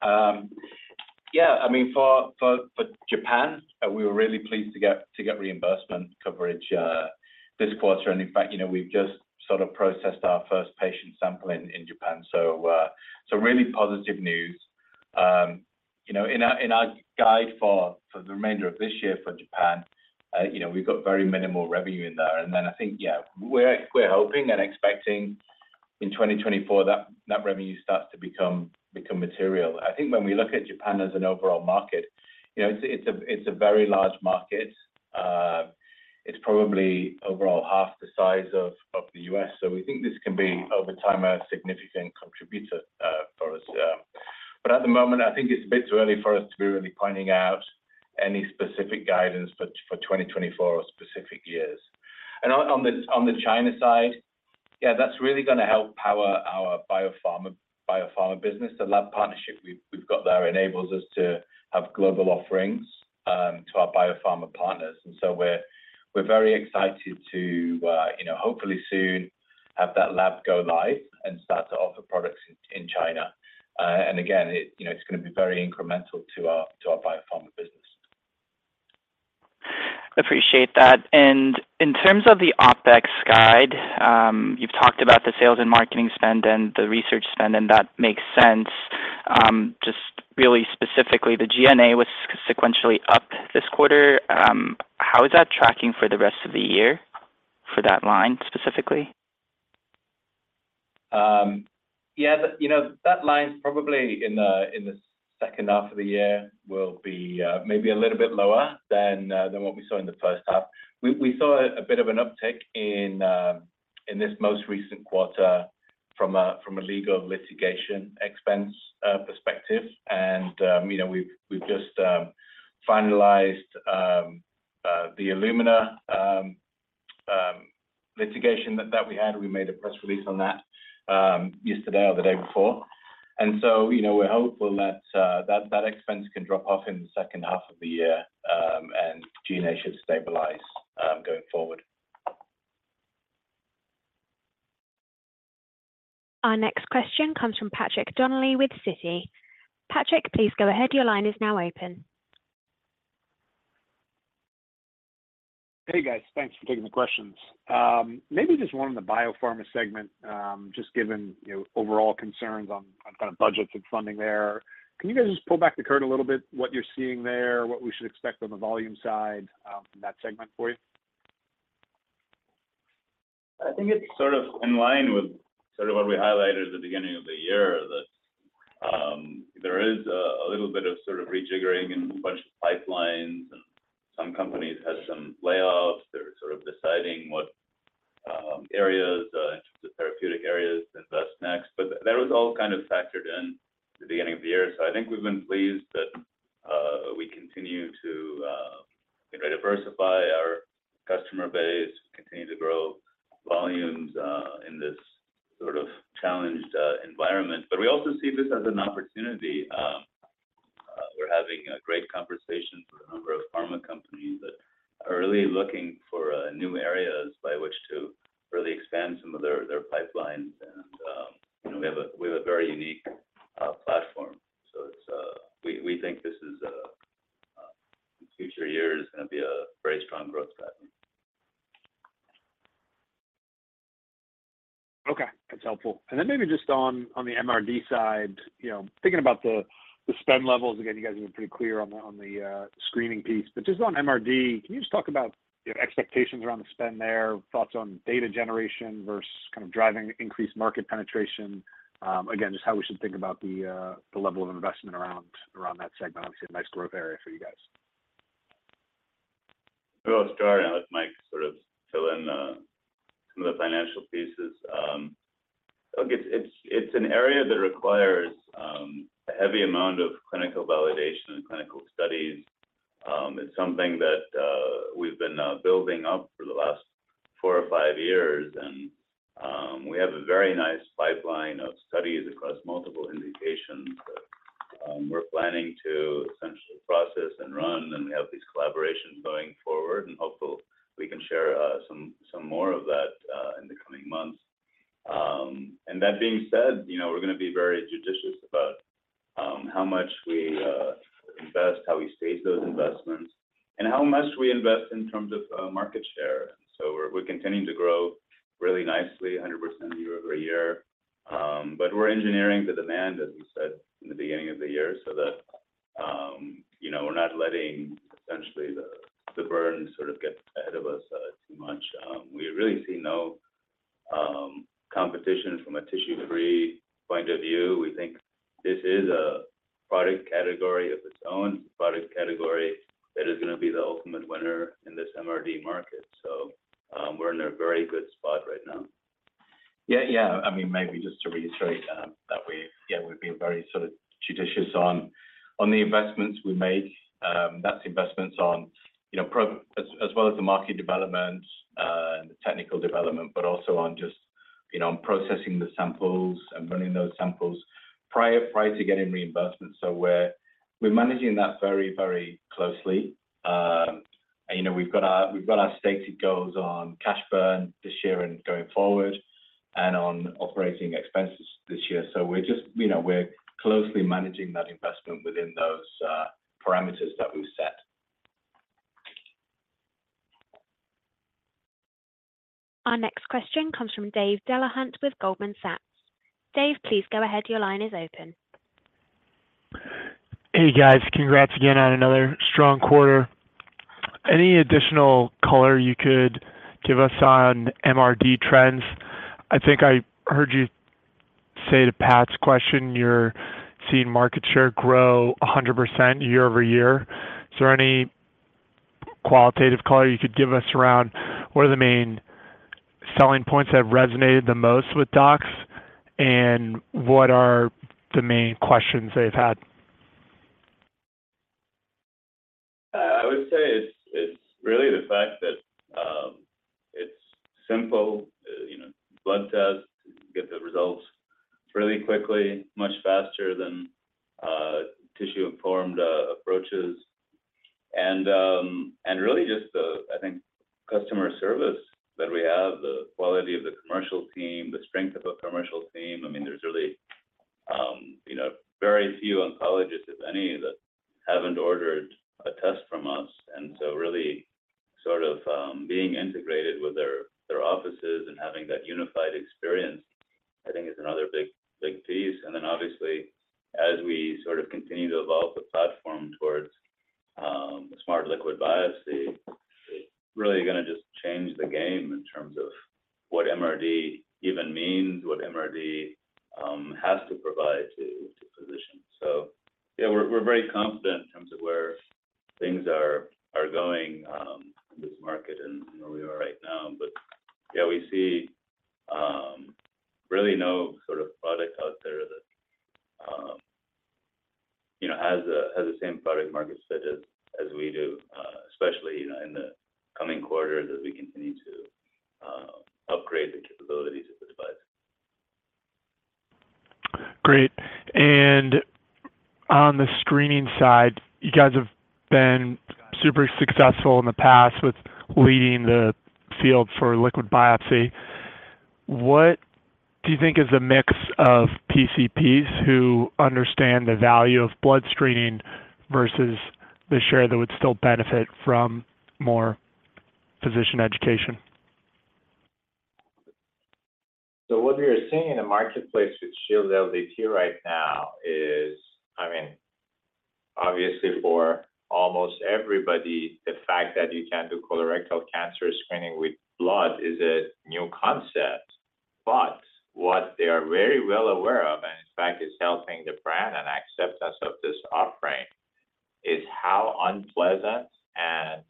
Yeah, I mean, for, for, for Japan, we were really pleased to get, to get reimbursement coverage this quarter. In fact, you know, we've just sort of processed our first patient sample in, in Japan, so, so really positive news. You know, in our, in our guide for, for the remainder of this year for Japan, you know, we've got very minimal revenue in there. Then I think, yeah, we're, we're hoping and expecting in 2024 that that revenue starts to become, become material. I think when we look at Japan as an overall market, you know, it's a, it's a, it's a very large market. It's probably overall half the size of, of the U.S., so we think this can be, over time, a significant contributor for us. At the moment, I think it's a bit too early for us to be really pointing out any specific guidance but for 2024 or specific years. On, on the, on the China side, yeah, that's really gonna help power our biopharma, biopharma business. The lab partnership we've, we've got there enables us to have global offerings to our biopharma partners. We're, we're very excited to, you know, hopefully soon have that lab go live and start to offer products in, in China. Again, it, you know, it's gonna be very incremental to our, to our biopharma business. Appreciate that. In terms of the OpEx guide, you've talked about the sales and marketing spend and the research spend, and that makes sense. Just really specifically, the G&A was sequentially up this quarter. How is that tracking for the rest of the year, for that line specifically? Yeah, the, you know, that line's probably in the, in the second half of the year will be, maybe a little bit lower than, than what we saw in the first half. We, we saw a bit of an uptick in, in this most recent quarter from a, from a legal litigation expense perspective. You know, we've, we've just finalized the Illumina litigation that, that we had. We made a press release on that yesterday or the day before. You know, we're hopeful that, that, that expense can drop off in the second half of the year, and DNA should stabilize going forward. Our next question comes from Patrick Donnelly with Citi. Patrick, please go ahead. Your line is now open. Hey, guys. Thanks for taking the questions. Maybe just one on the biopharma segment, just given, you know, overall concerns on, on kind of budgets and funding there. Can you guys just pull back the curtain a little bit, what you're seeing there, what we should expect on the volume side, from that segment for you? I think it's sort of in line with sort of what we highlighted at the beginning of the year, that, there is a little bit of sort of rejiggering in a bunch of pipelines, and some companies had some layoffs. They're sort of deciding what areas in terms of therapeutic areas to invest next. That was all kind of factored in at the beginning of the year. I think we've been pleased that we continue to diversify our customer base, continue to grow volumes in this sort of challenged environment. We also see this as an opportunity. We're having a great conversation with a number of pharma companies that are really looking for new areas by which to really expand some of their, their pipelines. You know, we have a, we have a very unique platform. It's, We, we think this is in future years, gonna be a very strong growth pattern. Okay, that's helpful. Then maybe just on, on the MRD side, you know, thinking about the, the spend levels, again, you guys have been pretty clear on the, on the, screening piece. Just on MRD, can you just talk about your expectations around the spend there, thoughts on data generation versus kind of driving increased market penetration, again, just how we should think about the, the level of investment around, around that segment? Obviously, a nice growth area for you guys. Well, I'll start, and I'll let Mike sort of fill in, some of the financial pieces. Look, it's, it's, it's an area that requires, a heavy amount of clinical validation and clinical studies. It's something that, we've been, building up for the last four or five years, and, we have a very nice pipeline of studies across multiple indications that, we're planning to essentially process and run. We have these collaborations going forward, and hopefully, we can share, some, some more of that, in the coming months. That being said, you know, we're gonna be very judicious about, how much we, invest, how we space those investments, and how much we invest in terms of, market share. We're, we're continuing to grow really nicely, 100% year-over-year. We're engineering the demand, as we said in the beginning of the year, so that, you know, we're not letting essentially the, the burn sort of get ahead of us, too much. We really see no competition from a tissue-free point of view. We think this is a product category of its own, product category that is gonna be the ultimate winner in this MRD market. We're in a very good spot right now. Yeah, yeah. I mean, maybe just to reiterate that we. Yeah, we've been very sort of judicious on, on the investments we make. That's investments on, you know, pro- as, as well as the market development, and the technical development, but also on just, you know, on processing the samples and running those samples prior, prior to getting reimbursement. We're, we're managing that very, very closely. You know, we've got our, we've got our stated goals on cash burn this year and going forward and on operating expenses this year. We're just, you know, we're closely managing that investment within those parameters that we've set. Our next question comes from Dave Delahunt with Goldman Sachs. Dave, please go ahead. Your line is open. Hey, guys. Congrats again on another strong quarter. Any additional color you could give us on MRD trends? I think I heard you say to Pat's question, you're seeing market share grow 100% year-over-year. Is there any qualitative color you could give us around what are the main selling points that have resonated the most with docs, and what are the main questions they've had? I would say it's, it's really the fact that it's simple. You know, blood test, get the results really quickly, much faster than tissue-informed approaches. Really just the, I think, customer service that we have, the quality of the commercial team, the strength of the commercial team. I mean, there's really, you know, very few oncologists, if any, that haven't ordered a test from us. Really, sort of, being integrated with their, their offices and having that unified experience, I think is another big, big piece. Obviously, as we sort of continue to evolve the platform towards Smart Liquid Biopsy, it's really gonna just change the game in terms of what MRD even means, what MRD has to mean-... Yeah, we're very confident in terms of where things are, are going, in this market and where we are right now. Yeah, we see, really no sort of product out there that, you know, has the same product market fit as we do, especially, you know, in the coming quarters as we continue to upgrade the capabilities of this device. Great. On the screening side, you guys have been super successful in the past with leading the field for liquid biopsy. What do you think is the mix of PCPs who understand the value of blood screening versus the share that would still benefit from more physician education? What we are seeing in the marketplace with Shield LDT right now is, I mean, obviously, for almost everybody, the fact that you can do colorectal cancer screening with blood is a new concept. What they are very well aware of, and in fact, it's helping the brand and acceptance of this offering, is how unpleasant and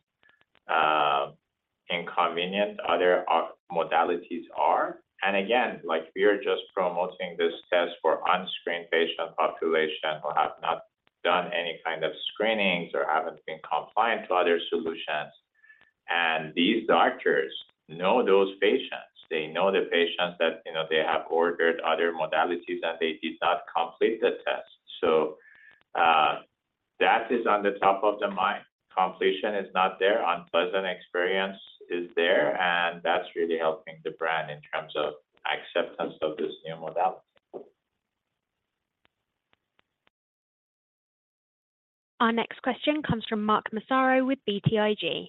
inconvenient other modalities are. Again, like, we are just promoting this test for unscreened patient population who have not done any kind of screenings or haven't been compliant to other solutions, and these doctors know those patients. They know the patients that, you know, they have ordered other modalities, and they did not complete the test. That is on the top of the mind. Completion is not there, unpleasant experience is there, and that's really helping the brand in terms of acceptance of this new modality. Our next question comes from Mark Massaro with BTIG.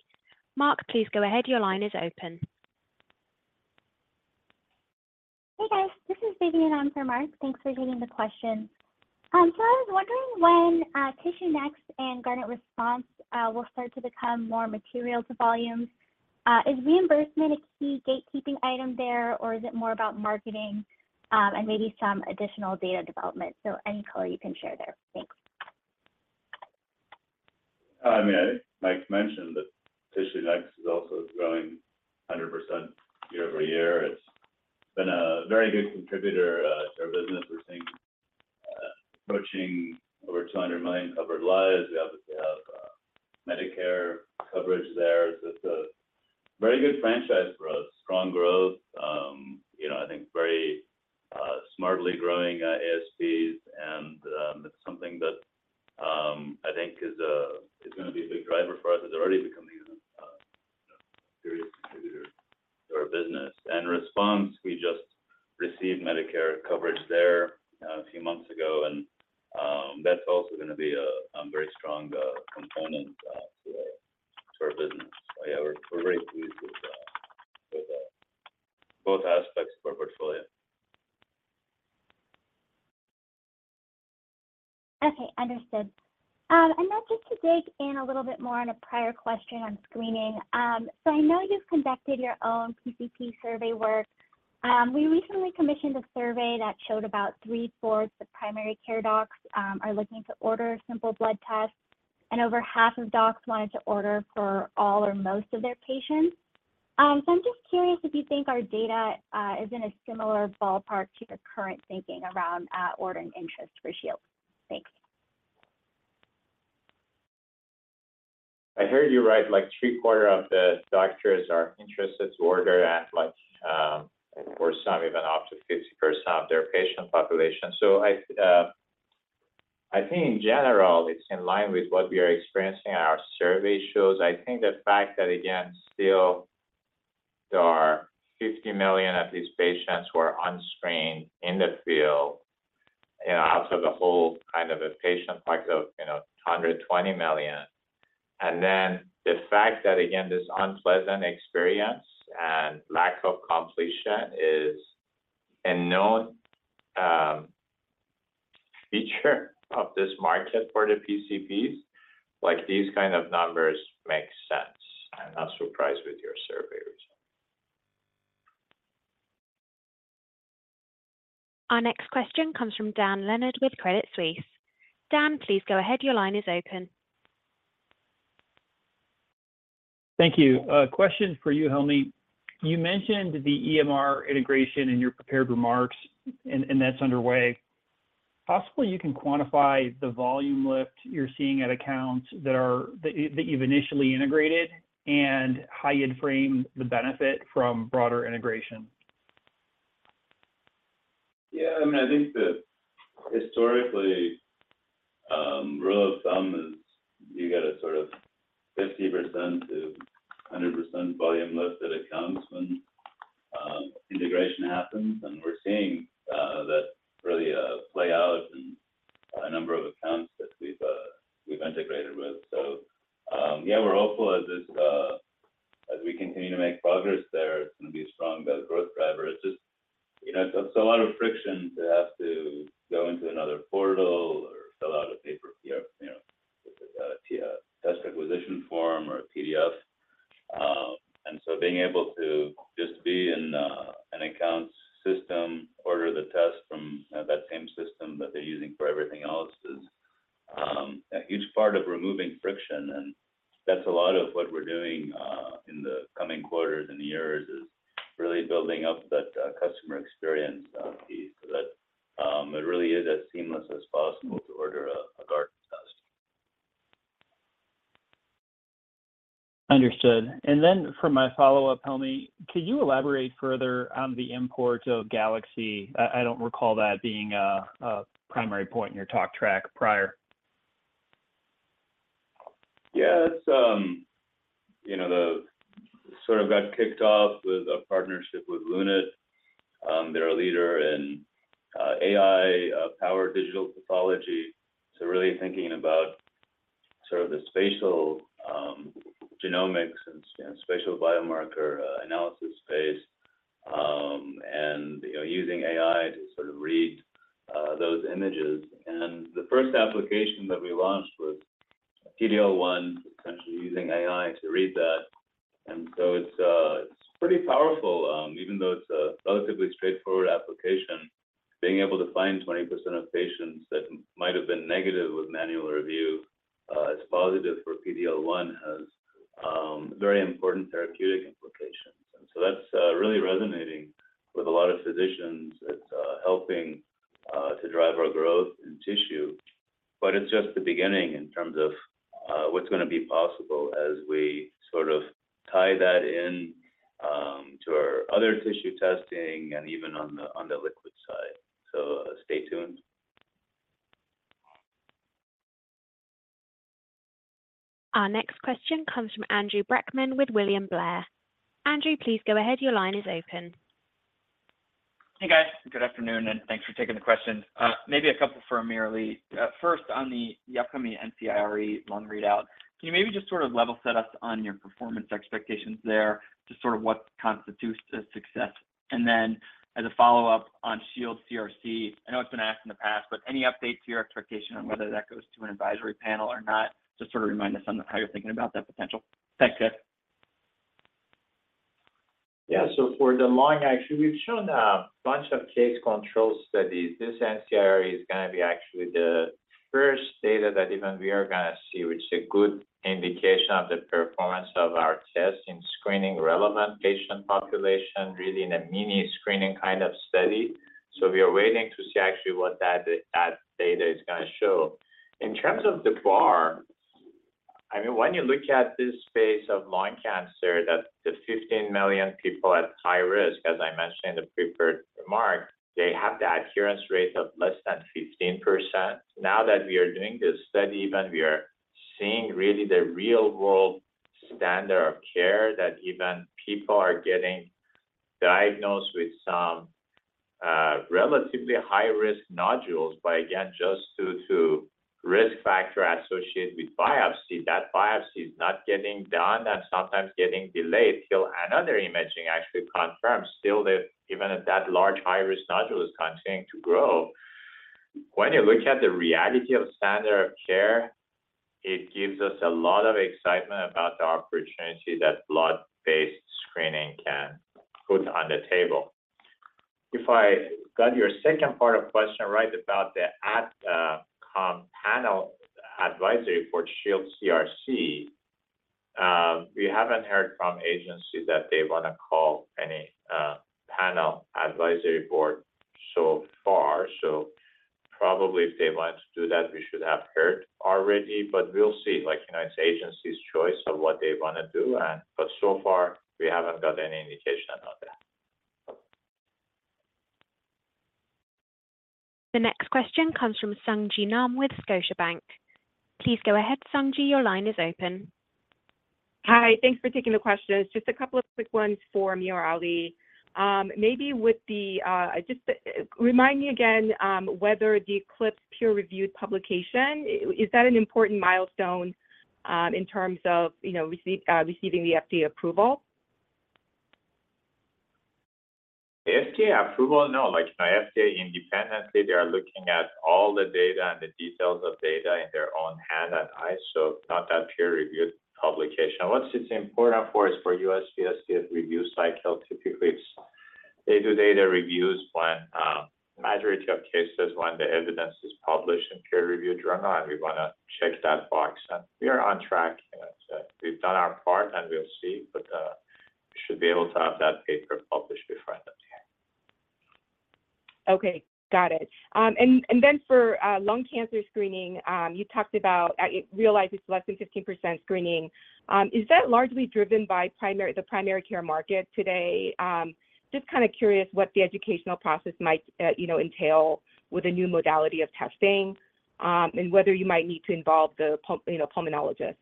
Mark, please go ahead. Your line is open. Hey, guys, this is Vidyun in for Mark. Thanks for taking the question. I was wondering when TissueNext and Guardant Response will start to become more material to volumes? Is reimbursement a key gatekeeping item there, or is it more about marketing, and maybe some additional data development? Any color you can share there? Thanks. I mean, I think Mike Bell mentioned that TissueNext is also growing 100% year-over-year. It's been a very good contributor to our business. We're seeing approaching over 200 million covered lives. We obviously have Medicare coverage there. It's a very good franchise for us, strong growth, you know, I think very smartly growing ASPs. It's something that I think is gonna be a big driver for us. It's already becoming a serious contributor to our business. Guardant Response, we just received Medicare coverage there a few months ago, and that's also gonna be a very strong component to our business. Yeah, we're very pleased with both aspects of our portfolio. Okay, understood. Just to dig in a little bit more on a prior question on screening. So I know you've conducted your own PCP survey work. We recently commissioned a survey that showed about 3/4 of primary care docs are looking to order simple blood tests, and over half of docs wanted to order for all or most of their patients. So I'm just curious if you think our data is in a similar ballpark to your current thinking around ordering interest for Shield. Thanks. I heard you right, like three-quarter of the doctors are interested to order at, like, for some, even up to 50% of their patient population. I think in general, it's in line with what we are experiencing, and our survey shows. I think the fact that, again, still there are 50 million of these patients who are unscreened in the field, you know, out of the whole kind of a patient pool of, you know, 120 million. The fact that, again, this unpleasant experience and lack of completion is a known feature of this market for the PCPs, like, these kind of numbers make sense. I'm not surprised with your survey results. Our next question comes from Dan Leonard with Credit Suisse. Dan, please go ahead. Your line is open. Thank you. A question for you, Helmy. You mentioned the EMR integration in your prepared remarks, and that's underway. Possibly, you can quantify the volume lift you're seeing at accounts that you've initially integrated, and how you'd frame the benefit from broader integration. Yeah, I mean, I think that historically, rule of thumb is you get a sort of 50%-100% volume lift at accounts when integration happens. We're seeing that really play out in a number of accounts that we've integrated with. Yeah, we're hopeful as this-- as we continue to make progress there, it's gonna be a strong growth driver. It's just, you know, it's a lot of friction to have to go into another portal or fill out a paper form or a PDF. So being able to just be in an account system, order the test from that same system that they're using for everything else is a huge part of removing friction, and that's a lot of what we're doing in the coming quarters and years, is really building up that customer experience piece. That it really is as seamless as possible to order a Guardant test. Understood. For my follow-up, Helmy, could you elaborate further on the import of Galaxy? I don't recall that being a, a primary point in your talk track prior. Yeah, it's, you know, the- sort of got kicked off with a partnership with Lunit. They're a leader in AI power digital pathology, so really thinking about sort of the spatial genomics and, and spatial biomarker analysis space, and, you know, using AI to sort of read those images. The first application that we launched was PDL1, essentially using AI to read that. It's pretty powerful, even though it's a relatively straightforward application. Being able to find 20% of patients that might have been negative with manual review, as positive for PDL1, has very important therapeutic implications. That's really resonating with a lot of physicians. It's helping to drive our growth in tissue. It's just the beginning in terms of what's gonna be possible as we sort of tie that in to our other tissue testing and even on the, on the liquid side. Stay tuned. Our next question comes from Andrew Brackmann with William Blair. Andrew, please go ahead. Your line is open. Hey, guys. Good afternoon, and thanks for taking the question. Maybe two for AmirAli. First, on the upcoming NCIRE lung readout, can you maybe just sort of level set us on your performance expectations there to sort of what constitutes a success? Then, as a follow-up on Shield CRC, I know it's been asked in the past, but any update to your expectation on whether that goes to an advisory panel or not? Just sort of remind us on how you're thinking about that potential. Thanks, guys. Yeah. For the lung, actually, we've shown a bunch of case control studies. This NCIRE is gonna be actually the first data that even we are gonna see, which is a good indication of the performance of our test in screening relevant patient population, really in a mini screening kind of study. We are waiting to see actually what that data is gonna show. In terms of the bar, I mean, when you look at this space of lung cancer, that the 15 million people at high risk, as I mentioned in the prepared remark, they have the adherence rate of less than 15%. Now that we are doing this study, even we are seeing really the real-world standard of care, that even people are getting diagnosed with some, relatively high-risk nodules, but again, just due to risk factor associated with biopsy, that biopsy is not getting done and sometimes getting delayed till another imaging actually confirms still that even if that large high-risk nodule is continuing to grow. When you look at the reality of standard of care, it gives us a lot of excitement about the opportunity that blood-based screening can put on the table. If I got your second part of question right, about the AdCom panel advisory for Shield CRC, we haven't heard from agency that they wanna call any panel advisory board so far. Probably if they want to do that, we should have heard already, but we'll see. Like, you know, it's agency's choice of what they wanna do but so far, we haven't got any indication on that. The next question comes from Sung Ji Nam with Scotiabank. Please go ahead, Sung Ji, your line is open. Hi. Thanks for taking the questions. Just a couple of quick ones for AmirAli. Maybe with the... Just remind me again, whether the ECLIPSE peer-reviewed publication, is that an important milestone, in terms of, you know, receiving the FDA approval? FDA approval? No. Like, you know, FDA independently, they are looking at all the data and the details of data in their own hand and eyes, so not that peer-reviewed publication. What it's important for is for USPSTF review cycle. Typically, it's they do data reviews when, majority of cases when the evidence is published in peer-reviewed journal, and we wanna check that box, and we are on track. You know, so we've done our part, and we'll see, but, we should be able to have that paper published before end of the year. Okay. Got it. Then for, lung cancer screening, you talked about, I realize it's less than 15% screening. Is that largely driven by primary, the primary care market today? Just kind of curious what the educational process might, you know, entail with a new modality of testing, and whether you might need to involve the you know, pulmonologist.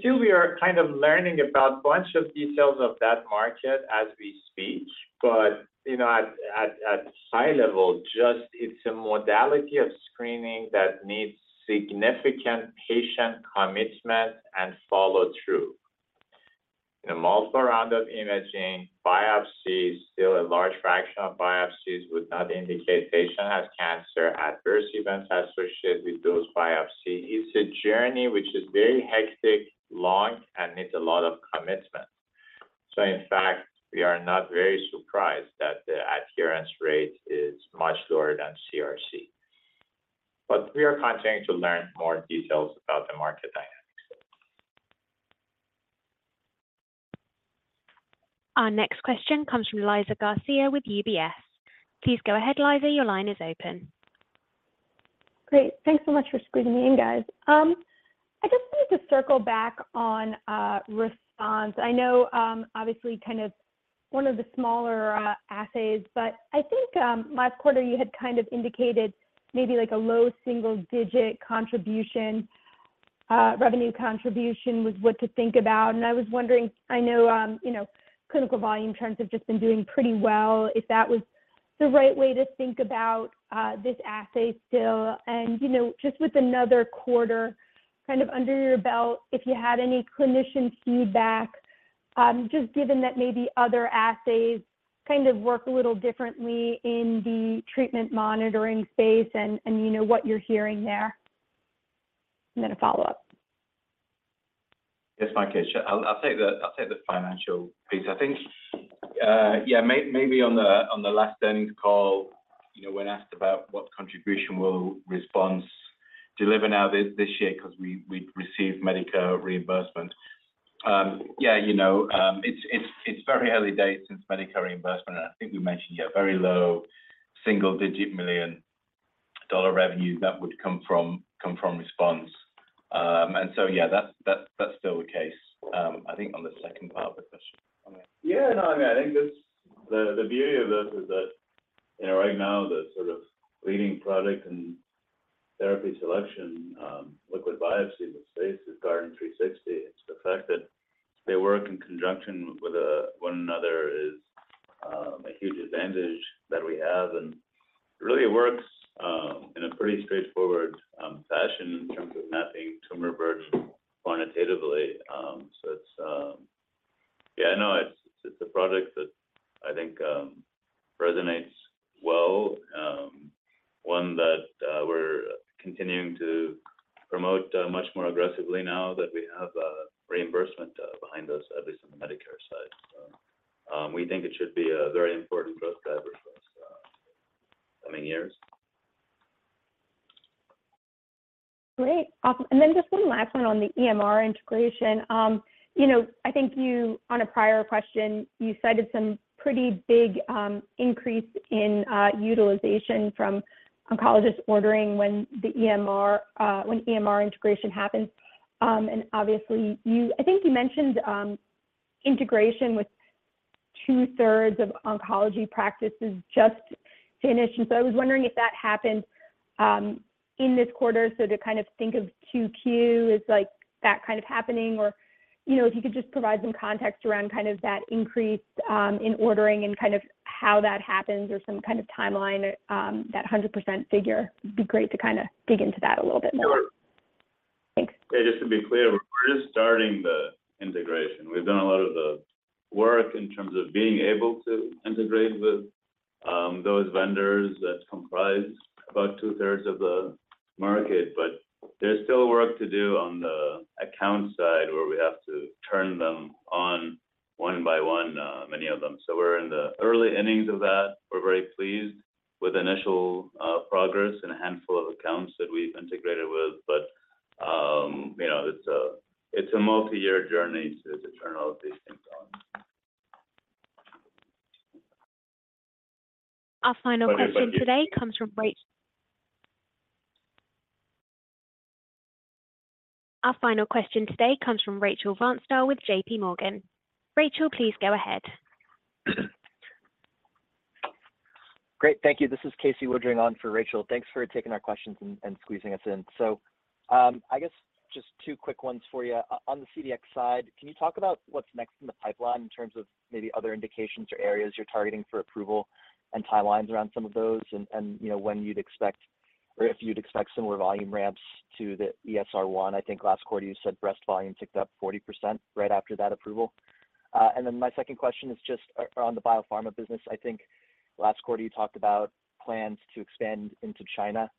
Still, we are kind of learning about bunch of details of that market as we speak, but, you know, at, at, at high level, just it's a modality of screening that needs significant patient commitment and follow through.... A multiple round of imaging, biopsies, still a large fraction of biopsies would not indicate patient has cancer. Adverse events associated with those biopsy. It's a journey which is very hectic, long, and needs a lot of commitment. In fact, we are not very surprised that the adherence rate is much lower than CRC. We are continuing to learn more details about the market dynamics. Our next question comes from Liz Garcia with UBS. Please go ahead, Liz, your line is open. Great. Thanks so much for squeezing me in, guys. I just wanted to circle back on Response. I know, obviously, kind of one of the smaller assays, but I think, last quarter, you had kind of indicated maybe like a low single-digit contribution, revenue contribution, was what to think about. I was wondering, I know, you know, clinical volume trends have just been doing pretty well, if that was the right way to think about this assay still. You know, just with another quarter kind of under your belt, if you had any clinician feedback, just given that maybe other assays kind of work a little differently in the treatment monitoring space and you know, what you're hearing there? Then a follow-up. Yes, my case. I'll take the financial piece. I think, maybe on the last earnings call, you know, when asked about what contribution will response deliver now this year? We've received Medicare reimbursement. You know, it's very early days since Medicare reimbursement, and I think we mentioned very low single-digit million dollar revenue that would come from response. That's still the case. I think on the second part of the question. Yeah, no, I mean, I think it's the, the beauty of this is that, you know, right now, the sort of leading product and therapy selection, liquid biopsy in the space is Guardant360. It's the fact that they work in conjunction with one another is a huge advantage that we have. It really works in a pretty straightforward fashion in terms of mapping tumor burden quantitatively. It's a product that I think resonates well. One that we're continuing to promote much more aggressively now that we have reimbursement behind us, at least on the Medicare side. We think it should be a very important growth driver for us coming years. Great. Awesome. Just one last one on the EMR integration. You know, I think you, on a prior question, you cited some pretty big increase in utilization from oncologists ordering when EMR integration happened. And obviously, I think you mentioned integration with two-thirds of oncology practices just finished, and so I was wondering if that happened in this quarter. To kind of think of 2Q, is like that kind of happening or, you know, if you could just provide some context around kind of that increase in ordering and kind of how that happens or some kind of timeline, that 100% figure. It'd be great to kind of dig into that a little bit more. Sure. Thanks. Yeah, just to be clear, we're just starting the integration. We've done a lot of the work in terms of being able to integrate with those vendors that comprise about two-thirds of the market. There's still work to do on the account side, where we have to turn them on one by one, many of them. We're in the early innings of that. We're very pleased with initial progress in a handful of accounts that we've integrated with. You know, it's a multi-year journey to turn all of these things on. Our final question today comes from Rachel Vatnsdal with JPMorgan. Rachel, please go ahead. Great, thank you. This is Casey Woodring on for Rachel. Thanks for taking our questions and squeezing us in. I guess just two quick ones for you. On the CDx side, can you talk about what's next in the pipeline in terms of maybe other indications or areas you're targeting for approval and timelines around some of those and, you know, when you'd expect or if you'd expect similar volume ramps to the ESR1? I think last quarter you said breast volume ticked up 40% right after that approval. My second question is just on the biopharma business. I think last quarter you talked about plans to expand into China.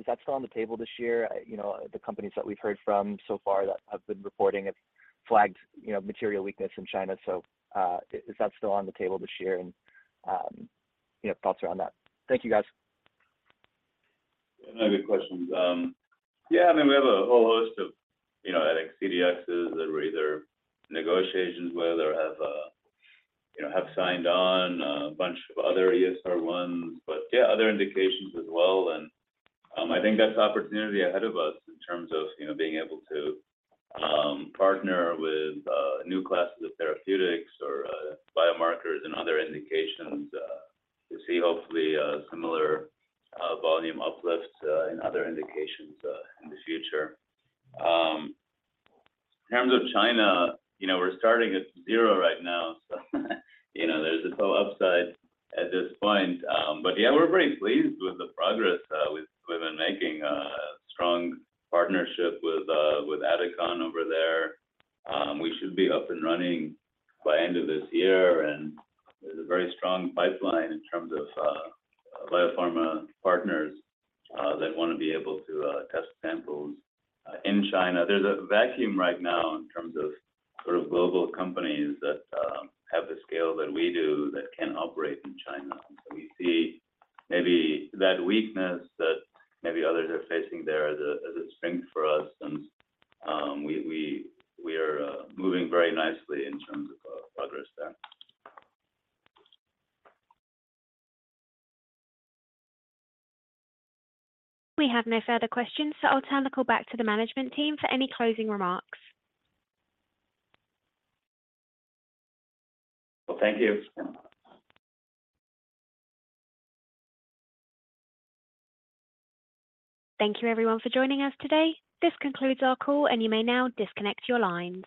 Is that still on the table this year? You know, the companies that we've heard from so far that have been reporting have flagged, you know, material weakness in China. Is that still on the table this year? You know, thoughts around that? Thank you, guys. Yeah, good questions. Yeah, I mean, we have a whole host of, you know, at CDXs that we're either negotiations with or have, you know, have signed on, a bunch of other ESR1s, but yeah, other indications as well. I think that's opportunity ahead of us in terms of, you know, being able to, partner with, new classes of therapeutics or, biomarkers and other indications, to see hopefully, similar, volume uplifts, in other indications, in the future. In terms of China, you know, we're starting at zero right now, so, you know, there's a total upside at this point. Yeah, we're very pleased with the progress, we've, we've been making, a strong partnership with, with Adicon over there. We should be up and running by end of this year, there's a very strong pipeline in terms of biopharma partners that want to be able to test samples in China. There's a vacuum right now in terms of sort of global companies that have the scale that we do that can operate in China. We see maybe that weakness that maybe others are facing there as a strength for us. We are moving very nicely in terms of progress there. We have no further questions, so I'll turn the call back to the management team for any closing remarks. Well, thank you. Thank you everyone for joining us today. This concludes our call, and you may now disconnect your lines.